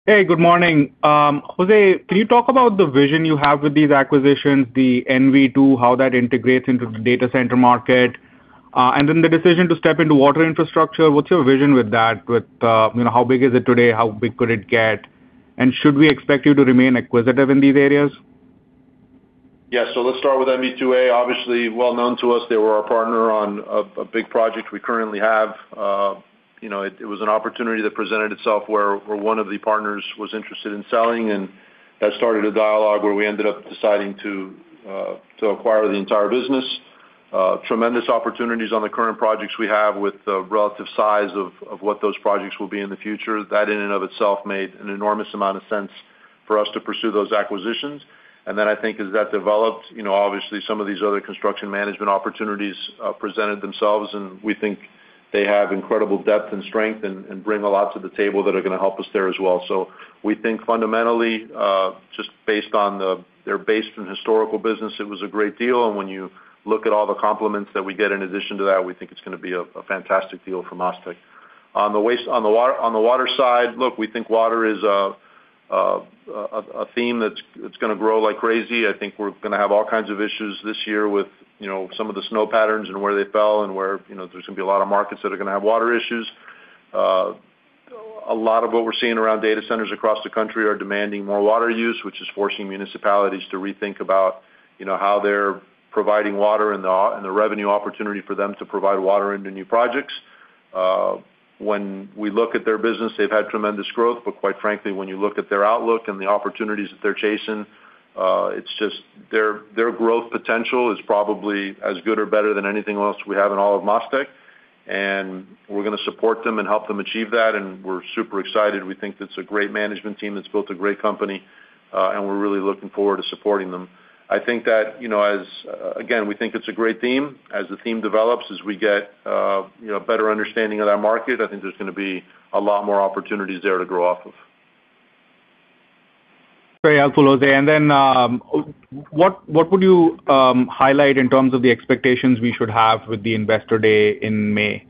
Hey, good morning. Jose, can you talk about the vision you have with these acquisitions, the NV2, how that integrates into the data center market? And then the decision to step into water infrastructure, what's your vision with that? With, you know, how big is it today? How big could it get? And should we expect you to remain acquisitive in these areas? Let's start with NV2A. Obviously, well known to us. They were our partner on a big project we currently have. you know, it was an opportunity that presented itself where one of the partners was interested in selling. That started a dialogue where we ended up deciding to acquire the entire business. Tremendous opportunities on the current projects we have with the relative size of what those projects will be in the future. That, in and of itself, made an enormous amount of sense for us to pursue those acquisitions. I think as that developed, you know, obviously, some of these other construction management opportunities presented themselves, and we think they have incredible depth and strength and bring a lot to the table that are gonna help us there as well. We think fundamentally, just based on their base and historical business, it was a great deal. When you look at all the compliments that we get in addition to that, we think it's gonna be a fantastic deal from MasTec. On the water, on the water side, look, we think water is a theme that's gonna grow like crazy. I think we're gonna have all kinds of issues this year with, you know, some of the snow patterns and where they fell and where, you know, there's gonna be a lot of markets that are gonna have water issues. A lot of what we're seeing around data centers across the country are demanding more water use, which is forcing municipalities to rethink about, you know, how they're providing water and the revenue opportunity for them to provide water into new projects. When we look at their business, they've had tremendous growth, but quite frankly, when you look at their outlook and the opportunities that they're chasing, it's just their growth potential is probably as good or better than anything else we have in all of MasTec, and we're gonna support them and help them achieve that, and we're super excited. We think that's a great management team that's built a great company, and we're really looking forward to supporting them. I think that, you know, as, again, we think it's a great theme. As the theme develops, as we get, you know, better understanding of that market, I think there's gonna be a lot more opportunities there to grow off of. Very helpful, Jose. Then, what would you highlight in terms of the expectations we should have with the Investor Day in May?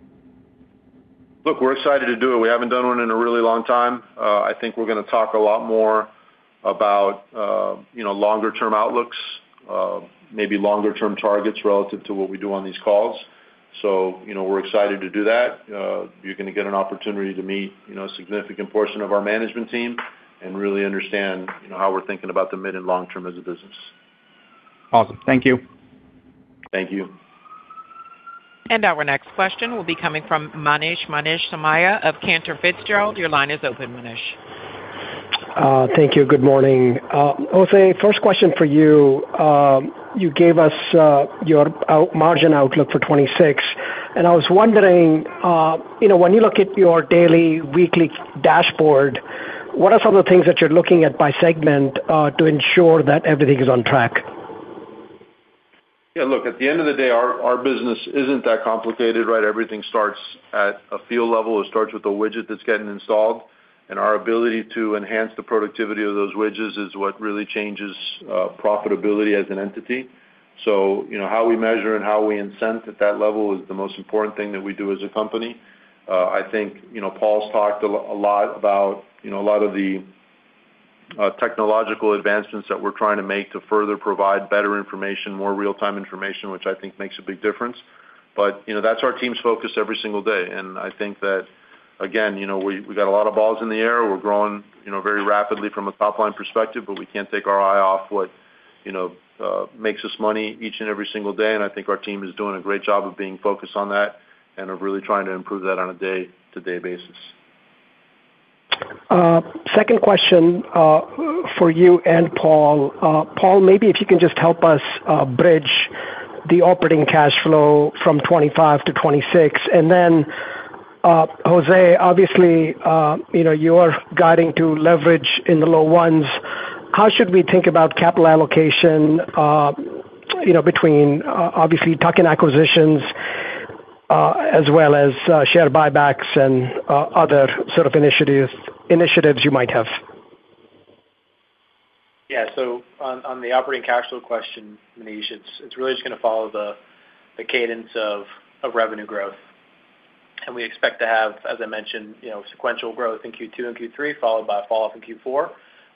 We're excited to do it. We haven't done one in a really long time. I think we're gonna talk a lot more about, you know, longer term outlooks, maybe longer term targets relative to what we do on these calls. You know, we're excited to do that. You're gonna get an opportunity to meet, you know, a significant portion of our management team and really understand, you know, how we're thinking about the mid and long term as a business. Awesome. Thank you. Thank you. Our next question will be coming from Manish Somaiya of Cantor Fitzgerald. Your line is open, Manish. Thank you. Good morning. Jose, first question for you. You gave us your out- margin outlook for 2026, and I was wondering, you know, when you look at your daily, weekly dashboard, what are some of the things that you're looking at by segment to ensure that everything is on track? Yeah, look, at the end of the day, our business isn't that complicated, right? Everything starts at a field level. It starts with a widget that's getting installed, and our ability to enhance the productivity of those widgets is what really changes profitability as an entity. You know, how we measure and how we incent at that level is the most important thing that we do as a company. I think, you know, Paul's talked a lot about, you know, a lot of the technological advancements that we're trying to make to further provide better information, more real-time information, which I think makes a big difference. You know, that's our team's focus every single day. I think that, again, you know, we got a lot of balls in the air. We're growing, you know, very rapidly from a top line perspective, but we can't take our eye off what, you know, makes us money each and every single day. I think our team is doing a great job of being focused on that and are really trying to improve that on a day-to-day basis. Second question for you and Paul. Paul, maybe if you can just help us bridge the operating cash flow from 2025 to 2026. Jose Mas, obviously, you know, you are guiding to leverage in the low 1s. How should we think about capital allocation, you know, between, obviously, tuck-in acquisitions, as well as share buybacks and other sort of initiatives you might have? Yeah. On the operating cash flow question, Manish, it's really just gonna follow the cadence of revenue growth. We expect to have, as I mentioned, you know, sequential growth in Q2 and Q3, followed by a falloff in Q4.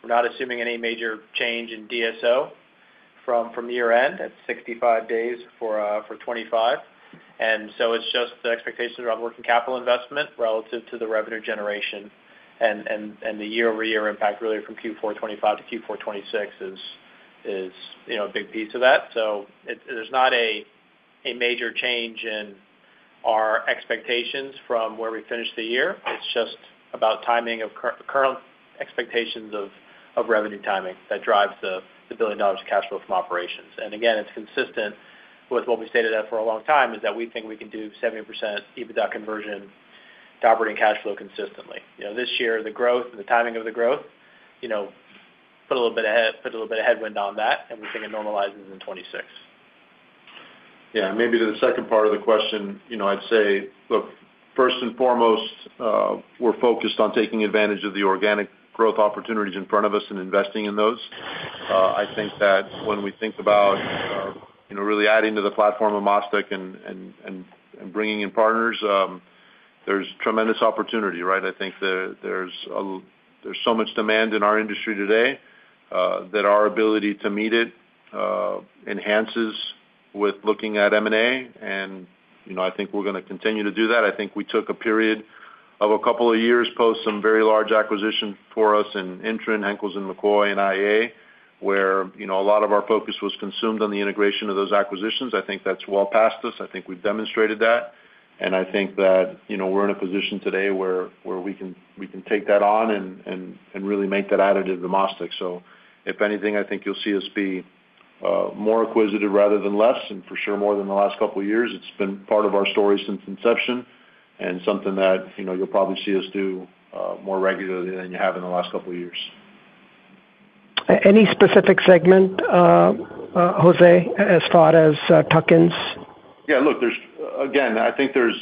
We're not assuming any major change in DSO from year-end. That's 65 days for 2025. It's just the expectations around working capital investment relative to the revenue generation and the year-over-year impact, really, from Q4 2025 to Q4 2026 is, you know, a big piece of that. There's not a major change in our expectations from where we finished the year. It's just about timing of current expectations of revenue timing that drives the $1 billion of cash flow from operations. Again, it's consistent with what we stated at for a long time, is that we think we can do 70% EBITDA conversion to operating cash flow consistently. You know, this year, the growth and the timing of the growth, you know, put a little bit of headwind on that. We think it normalizes in 2026. Yeah, maybe to the second part of the question, you know, I'd say, look, first and foremost, we're focused on taking advantage of the organic growth opportunities in front of us and investing in those. I think that when we think about, you know, really adding to the platform of MasTec and bringing in partners, there's tremendous opportunity, right? I think there's so much demand in our industry today, that our ability to meet it, enhances with looking at M&A, and, you know, I think we're gonna continue to do that. I think we took a period of a couple of years, post some very large acquisitions for us in INTREN, Henkels & McCoy, and IEA, where, you know, a lot of our focus was consumed on the integration of those acquisitions. I think that's well past us. I think we've demonstrated that, and I think that, you know, we're in a position today where we can take that on and really make that additive to MasTec. If anything, I think you'll see us be more acquisitive rather than less, and for sure, more than the last couple of years. It's been part of our story since inception and something that, you know, you'll probably see us do more regularly than you have in the last couple of years. Any specific segment, Jose, as far as tuck-ins? Yeah, look, Again, I think there's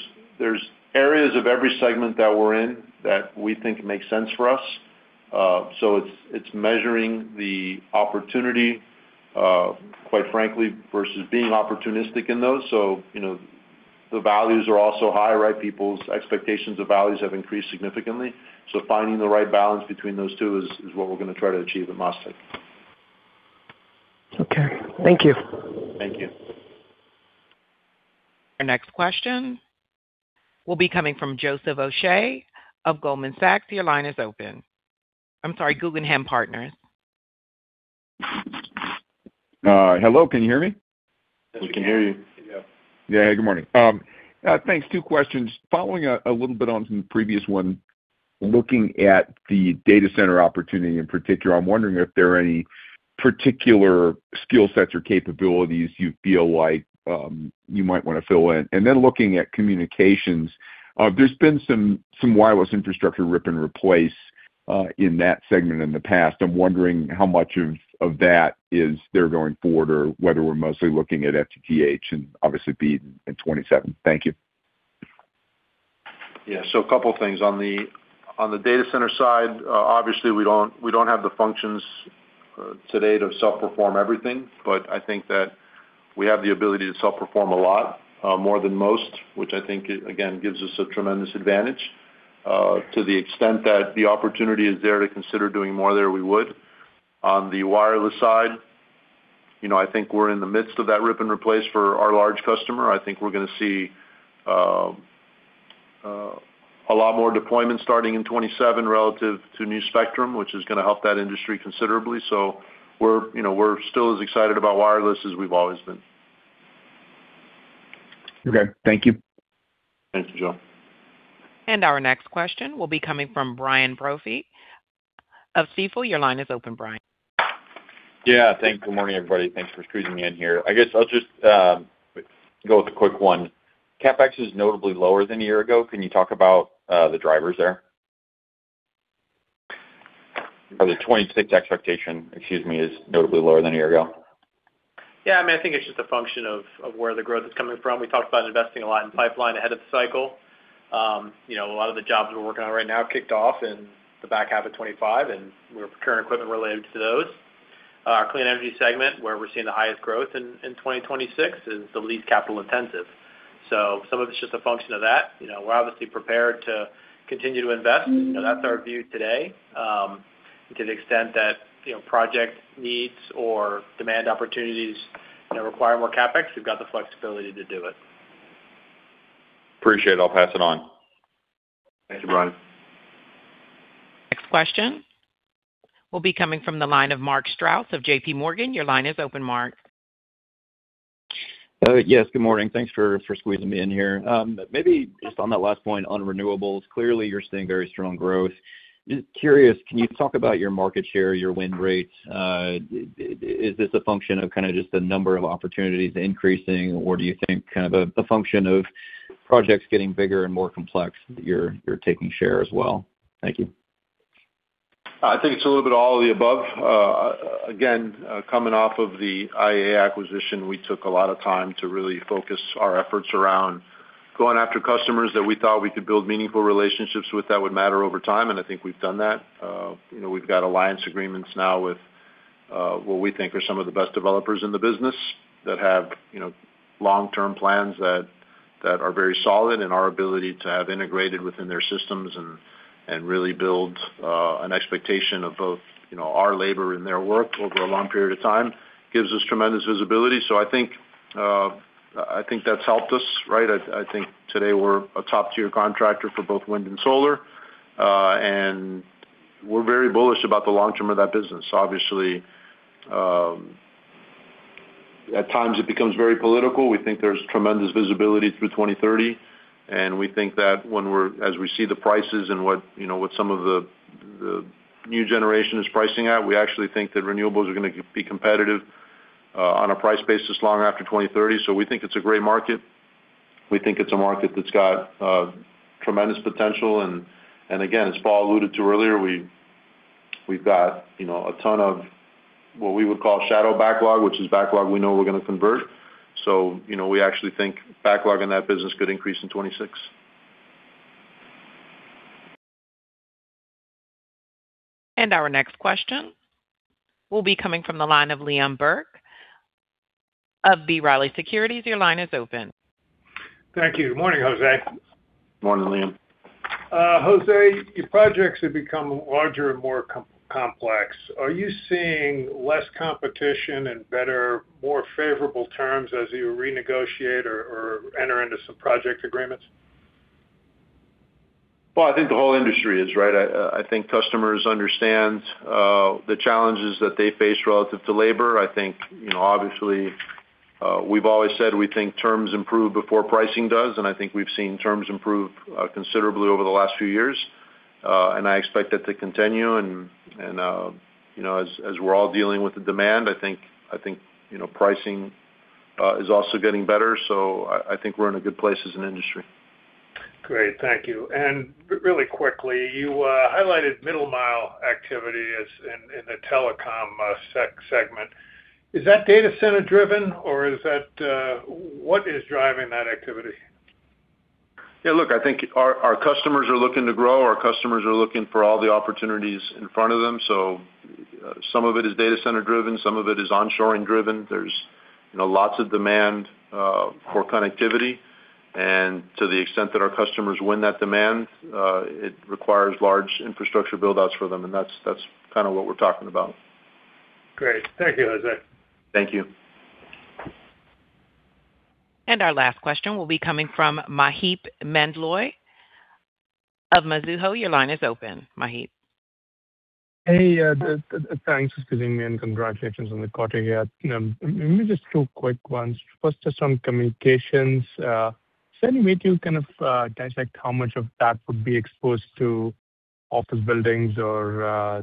areas of every segment that we're in that we think makes sense for us. It's measuring the opportunity, quite frankly, versus being opportunistic in those. You know, the values are also high, right? People's expectations of values have increased significantly. Finding the right balance between those two is what we're gonna try to achieve at MasTec. Okay. Thank you. Thank you. Our next question will be coming from Joseph O'Shea of Goldman Sachs. Your line is open. I'm sorry, Guggenheim Partners. Hello, can you hear me? We can hear you. Yeah. Hey, good morning. Thanks. Two questions. Following up a little bit on from the previous one, looking at the data center opportunity in particular, I'm wondering if there are any particular skill sets or capabilities you feel like you might wanna fill in? Looking at communications, there's been some wireless infrastructure rip and replace in that segment in the past. I'm wondering how much of that is there going forward, or whether we're mostly looking at FTTH and obviously, BEAD in 2027. Thank you. Yeah. A couple of things. On the data center side, obviously, we don't have the functions today to self-perform everything, but I think that we have the ability to self-perform a lot, more than most, which I think, again, gives us a tremendous advantage. To the extent that the opportunity is there to consider doing more there, we would. On the wireless side, you know, I think we're in the midst of that rip and replace for our large customer. I think we're gonna see a lot more deployments starting in 2027 relative to new spectrum, which is gonna help that industry considerably. We're, you know, we're still as excited about wireless as we've always been. Okay, thank you. Thank you, Joe. Our next question will be coming from Brian Brophy of Stifel. Your line is open, Brian. Yeah, thanks. Good morning, everybody. Thanks for squeezing me in here. I guess I'll just go with a quick one. CapEx is notably lower than a year ago. Can you talk about the drivers there? The 2026 expectation, excuse me, is notably lower than a year ago. I mean, I think it's just a function of where the growth is coming from. We talked about investing a lot in pipeline ahead of the cycle. You know, a lot of the jobs we're working on right now kicked off in the back half of 2025, and we're procuring equipment related to those. Our clean energy segment, where we're seeing the highest growth in 2026, is the least capital intensive. Some of it's just a function of that. You know, we're obviously prepared to continue to invest, and that's our view today. To the extent that, you know, project needs or demand opportunities that require more CapEx, we've got the flexibility to do it. Appreciate it. I'll pass it on. Thank you, Brian. Next question will be coming from the line of Mark Strouse of JPMorgan. Your line is open, Mark. Yes, good morning. Thanks for squeezing me in here. Maybe just on that last point on renewables, clearly, you're seeing very strong growth. Just curious, can you talk about your market share, your win rates? Is this a function of kind of just the number of opportunities increasing, or do you think kind of a function of projects getting bigger and more complex, you're taking share as well? Thank you. I think it's a little bit all of the above. Again, coming off of the IA acquisition, we took a lot of time to really focus our efforts around going after customers that we thought we could build meaningful relationships with, that would matter over time. I think we've done that. You know, we've got alliance agreements now with, what we think are some of the best developers in the business, that have, you know, long-term plans that are very solid, and our ability to have integrated within their systems and really build an expectation of both, you know, our labor and their work over a long period of time, gives us tremendous visibility. I think, I think that's helped us, right? I think today we're a top-tier contractor for both wind and solar, and we're very bullish about the long term of that business. Obviously, at times it becomes very political. We think there's tremendous visibility through 2030, and we think that as we see the prices and what, you know, what some of the new generation is pricing at, we actually think that renewables are gonna be competitive, on a price basis long after 2030. We think it's a great market. We think it's a market that's got tremendous potential. Again, as Paul alluded to earlier, we've got, you know, a ton of what we would call shadow backlog, which is backlog we know we're gonna convert. You know, we actually think backlog in that business could increase in 2026. Our next question will be coming from the line of Liam Burke of B. Riley Securities. Your line is open. Thank you. Good morning, Jose. Morning, Liam. Jose, your projects have become larger and more complex. Are you seeing less competition and better, more favorable terms as you renegotiate or enter into some project agreements? Well, I think the whole industry is, right? I think customers understand the challenges that they face relative to labor. I think, you know, obviously, we've always said we think terms improve before pricing does, and I think we've seen terms improve considerably over the last few years. I expect that to continue, and, you know, as we're all dealing with the demand, I think, you know, pricing is also getting better. I think we're in a good place as an industry. Great. Thank you. Really quickly, you highlighted middle mile activity as in the telecom segment. Is that data center driven or is that? What is driving that activity? Yeah, look, I think our customers are looking to grow. Our customers are looking for all the opportunities in front of them. Some of it is data center driven, some of it is onshoring driven. There's, you know, lots of demand for connectivity. To the extent that our customers win that demand, it requires large infrastructure build-outs for them, and that's kind of what we're talking about. Great. Thank you, Jose. Thank you. Our last question will be coming from Maheep Mandloi of Mizuho. Your line is open, Maheep. Hey, thanks for giving me and congratulations on the quarter here. Let me just two quick ones. First, just some communications. Is there any way to kind of dissect how much of that would be exposed to office buildings or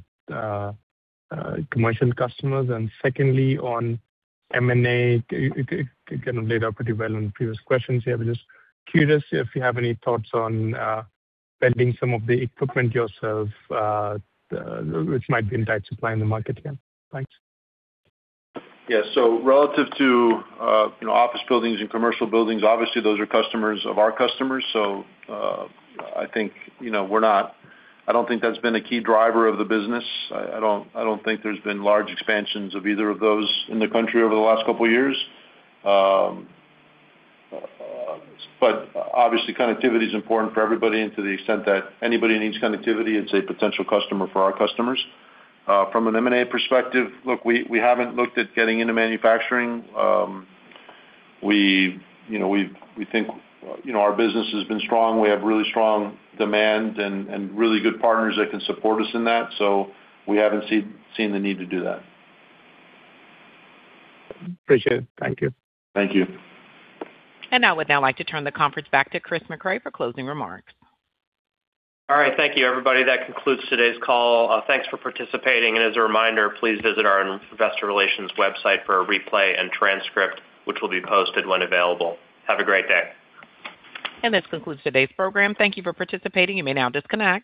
commercial customers? Secondly, on M&A, it kind of laid out pretty well in previous questions here. Just curious if you have any thoughts on vending some of the equipment yourself, which might be in tight supply in the market here. Thanks. Relative to, you know, office buildings and commercial buildings, obviously, those are customers of our customers. I think, you know, I don't think that's been a key driver of the business. I don't think there's been large expansions of either of those in the country over the last couple of years. Obviously, connectivity is important for everybody, and to the extent that anybody needs connectivity, it's a potential customer for our customers. From an M&A perspective, look, we haven't looked at getting into manufacturing. We, you know, we think, you know, our business has been strong. We have really strong demand and really good partners that can support us in that, so we haven't seen the need to do that. Appreciate it. Thank you. Thank you. I would now like to turn the conference back to Chris Mecray for closing remarks. All right. Thank you, everybody. That concludes today's call. Thanks for participating, and as a reminder, please visit our investor relations website for a replay and transcript, which will be posted when available. Have a great day. This concludes today's program. Thank you for participating. You may now disconnect.